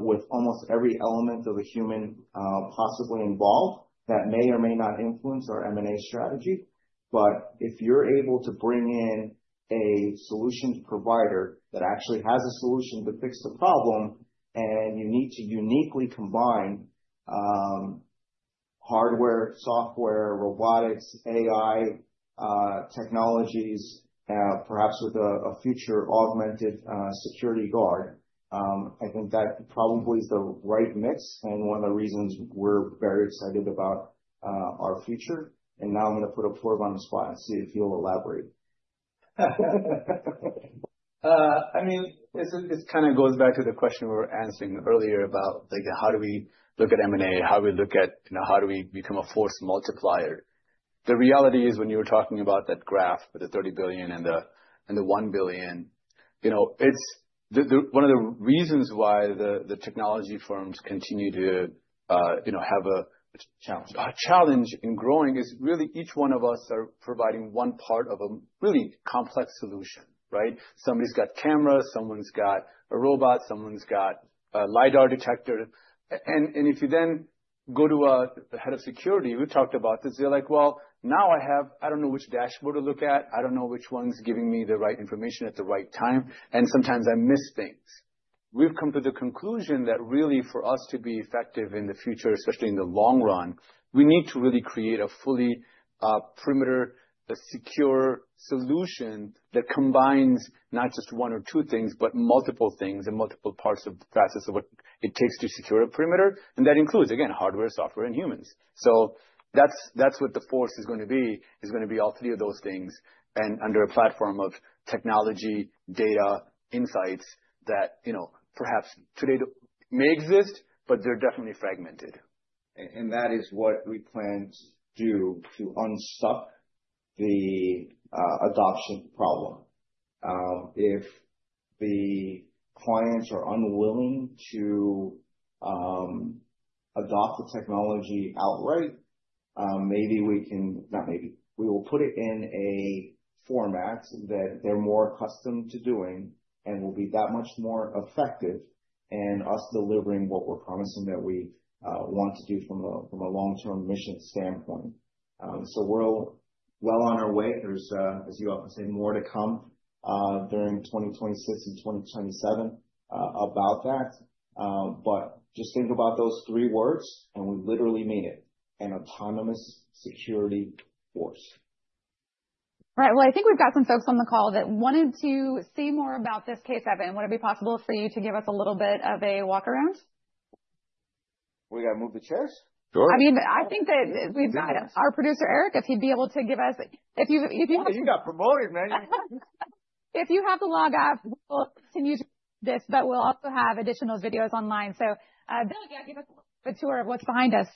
with almost every element of the human possibly involved that may or may not influence our M&A strategy. If you're able to bring in a solution provider that actually has a solution to fix the problem, and you need to uniquely combine hardware, software, robotics, AI technologies, perhaps with a future augmented security guard, I think that probably is the right mix. One of the reasons we're very excited about our future. Now I'm going to put Apoorv on the spot and see if he'll elaborate. I mean, this kind of goes back to the question we were answering earlier about how do we look at M&A, how do we look at, you know, how do we become a force multiplier? The reality is when you were talking about that graph with the $30 billion and the $1 billion, you know, it's one of the reasons why the technology firms continue to, you know, have a challenge in growing is really each one of us are providing one part of a really complex solution, right? Somebody's got cameras, someone's got a robot, someone's got a LIDAR detector. If you then go to the head of security, we talked about this, they're like, "Now I have, I don't know which dashboard to look at. I don't know which one's giving me the right information at the right time. Sometimes I miss things." We've come to the conclusion that really for us to be effective in the future, especially in the long run, we need to really create a fully perimeter secure solution that combines not just one or two things, but multiple things and multiple parts of the process of what it takes to secure a perimeter. That includes, again, hardware, software, and humans. That's what the force is going to be, is going to be all three of those things and under a platform of technology, data, insights that, you know, perhaps today may exist, but they're definitely fragmented. That is what we plan to do to unstuck the adoption problem. If the clients are unwilling to adopt the technology outright, maybe we can, not maybe, we will put it in a format that they're more accustomed to doing and will be that much more effective and us delivering what we're promising that we want to do from a long-term mission standpoint. We're well on our way. There is, as you often say, more to come during 2026 and 2027 about that. Just think about those three words and we literally mean it, an autonomous security force. All right. I think we've got some folks on the call that wanted to see more about this K-7. Would it be possible for you to give us a little bit of a walk around? We got to move the chairs? Sure. I mean, I think that we've got our producer, Eric, if he'd be able to give us, if you have. Oh, you got promoted, man. If you have the log, we'll continue to do this, but we'll also have additional videos online. Bill, yeah, give us a tour of what's behind us.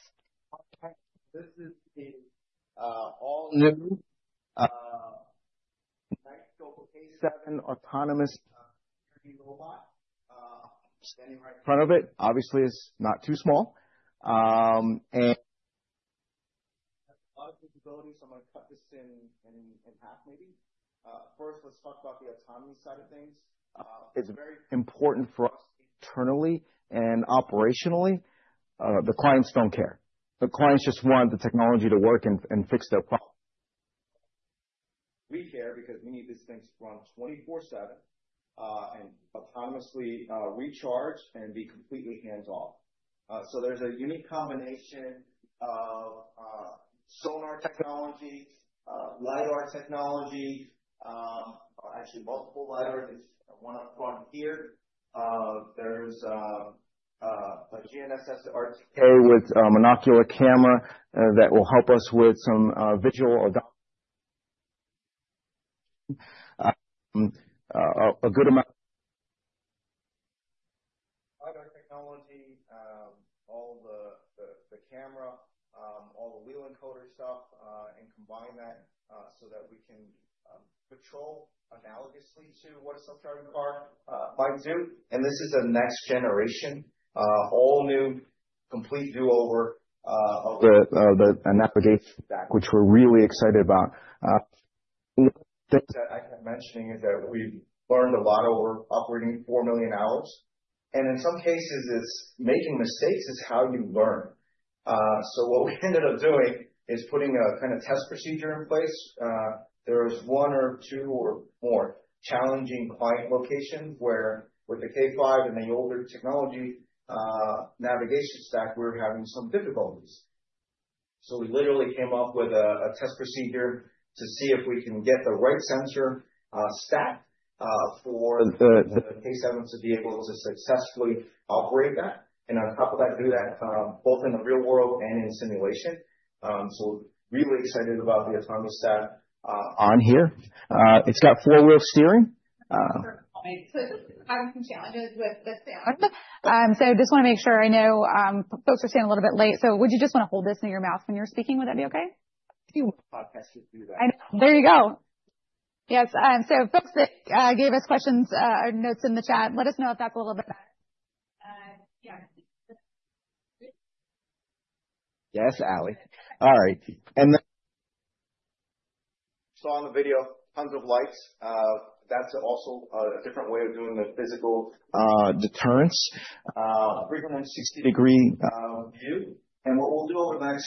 This is the all-new K-7 autonomous security robot standing right in front of it. Obviously, it's not too small. And a lot of visibility, so I'm going to cut this in half maybe. First, let's talk about the autonomy side of things. It's very important for us internally and operationally. The clients don't care. The clients just want the technology to work and fix their problem. We care because we need these things to run 24/7 and autonomously recharge and be completely hands-off. There's a unique combination of sonar technology, LIDAR technology, actually multiple LIDARs, one up front here. There's a GNSS RTK with monocular camera that will help us with some visual adoption. A good amount of LIDAR technology, all the camera, all the wheel encoder stuff, and combine that so that we can patrol analogously to what is self-driving car by Zoom. This is a next generation, all new, complete do-over of an application stack, which we're really excited about. One of the things that I kept mentioning is that we've learned a lot over operating 4 million hours. In some cases, making mistakes is how you learn. What we ended up doing is putting a kind of test procedure in place. There was one or two or more challenging client locations where with the K-5 and the older technology navigation stack, we were having some difficulties. We literally came up with a test procedure to see if we can get the right sensor stack for the K-7 to be able to successfully operate that and on top of that, do that both in the real world and in simulation. We're really excited about the autonomy stack. On here, it's got four-wheel steering. Just having some challenges with the sound. I just want to make sure I know folks are saying a little bit late. Would you just want to hold this in your mouth when you're speaking? Would that be okay? If you want the podcast to do that. There you go. Yes. So, folks that gave us questions or notes in the chat, let us know if that's a little bit better. Yeah. Yes, Ali. All right. Then, saw in the video, tons of lights. That is also a different way of doing the physical deterrence, 360-degree view. What we will do over the next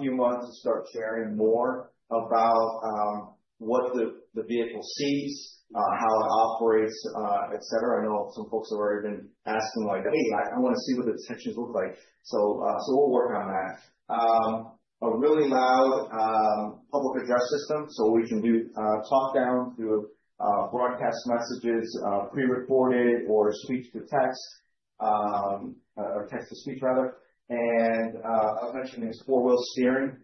few months is start sharing more about what the vehicle sees, how it operates, etc. I know some folks have already been asking like, "Hey, I want to see what the detections look like." We will work on that. A really loud public address system, so we can do talk down, do broadcast messages, pre-recorded or speech to text, or text to speech, rather. I was mentioning this four-wheel steering.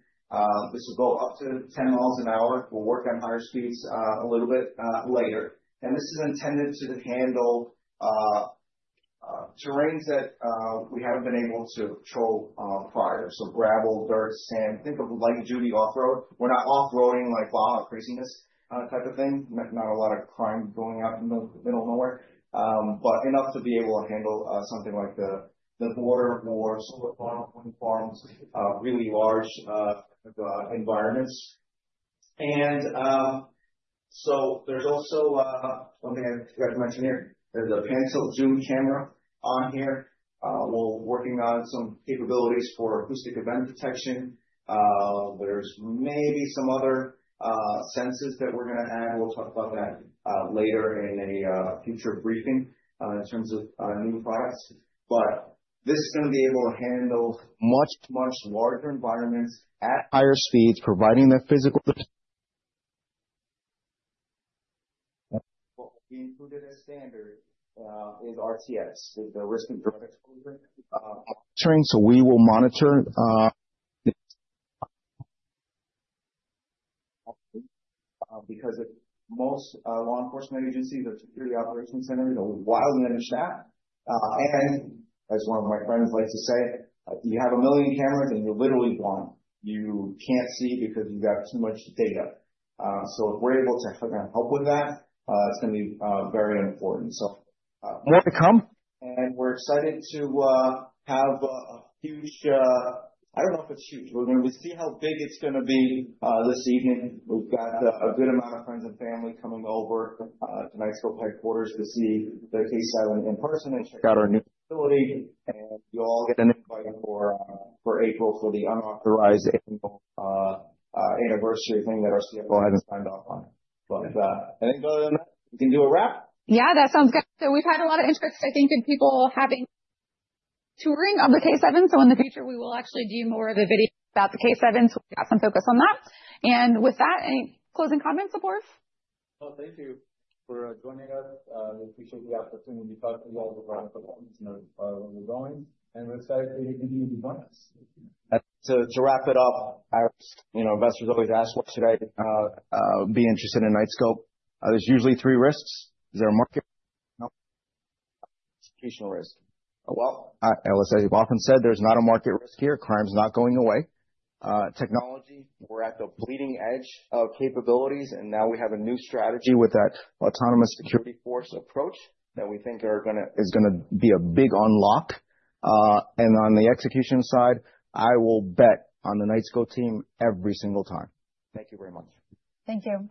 This will go up to 10 miles an hour. We will work on higher speeds a little bit later. This is intended to handle terrains that we have not been able to patrol prior. Gravel, dirt, sand, think of light-duty off-road. We're not off-roading like wild craziness type of thing. Not a lot of crime going out in the middle of nowhere, but enough to be able to handle something like the border or solar farms, really large environments. There's also something I forgot to mention here. There's a pencil zoom camera on here. We're working on some capabilities for acoustic event detection. There's maybe some other sensors that we're going to add. We'll talk about that later in a future briefing in terms of new products. This is going to be able to handle much, much larger environments at higher speeds, providing the physical. What we included as standard is RTS, is the risk and threat exposure monitoring. We will monitor. Because most law enforcement agencies or security operations centers are wildly in the shack. As one of my friends likes to say, you have a million cameras and you literally want, you can't see because you've got too much data. If we're able to help with that, it's going to be very important. More to come. We're excited to have a huge, I don't know if it's huge. We're going to see how big it's going to be this evening. We've got a good amount of friends and family coming over to Knightscope headquarters to see the K-7 in person and check out our new facility. You all get an invite for April for the unauthorized annual anniversary thing that our CFO hasn't signed off on. I think other than that, we can do a wrap. Yeah, that sounds good. We've had a lot of interest, I think, in people having touring of the K-7. In the future, we will actually do more of the video about the K-7. We've got some focus on that. With that, any closing comments before? Thank you for joining us. We appreciate the opportunity to talk to you all about what we're going. We're excited for you to continue to join us. To wrap it up, you know, investors always ask, why should I be interested in Knightscope? There's usually three risks. Is there a market? No. Educational risk. As I've often said, there's not a market risk here. Crime's not going away. Technology, we're at the bleeding edge of capabilities. Now we have a new strategy with that autonomous security force approach that we think is going to be a big unlock. On the execution side, I will bet on the Knightscope team every single time. Thank you very much. Thank you.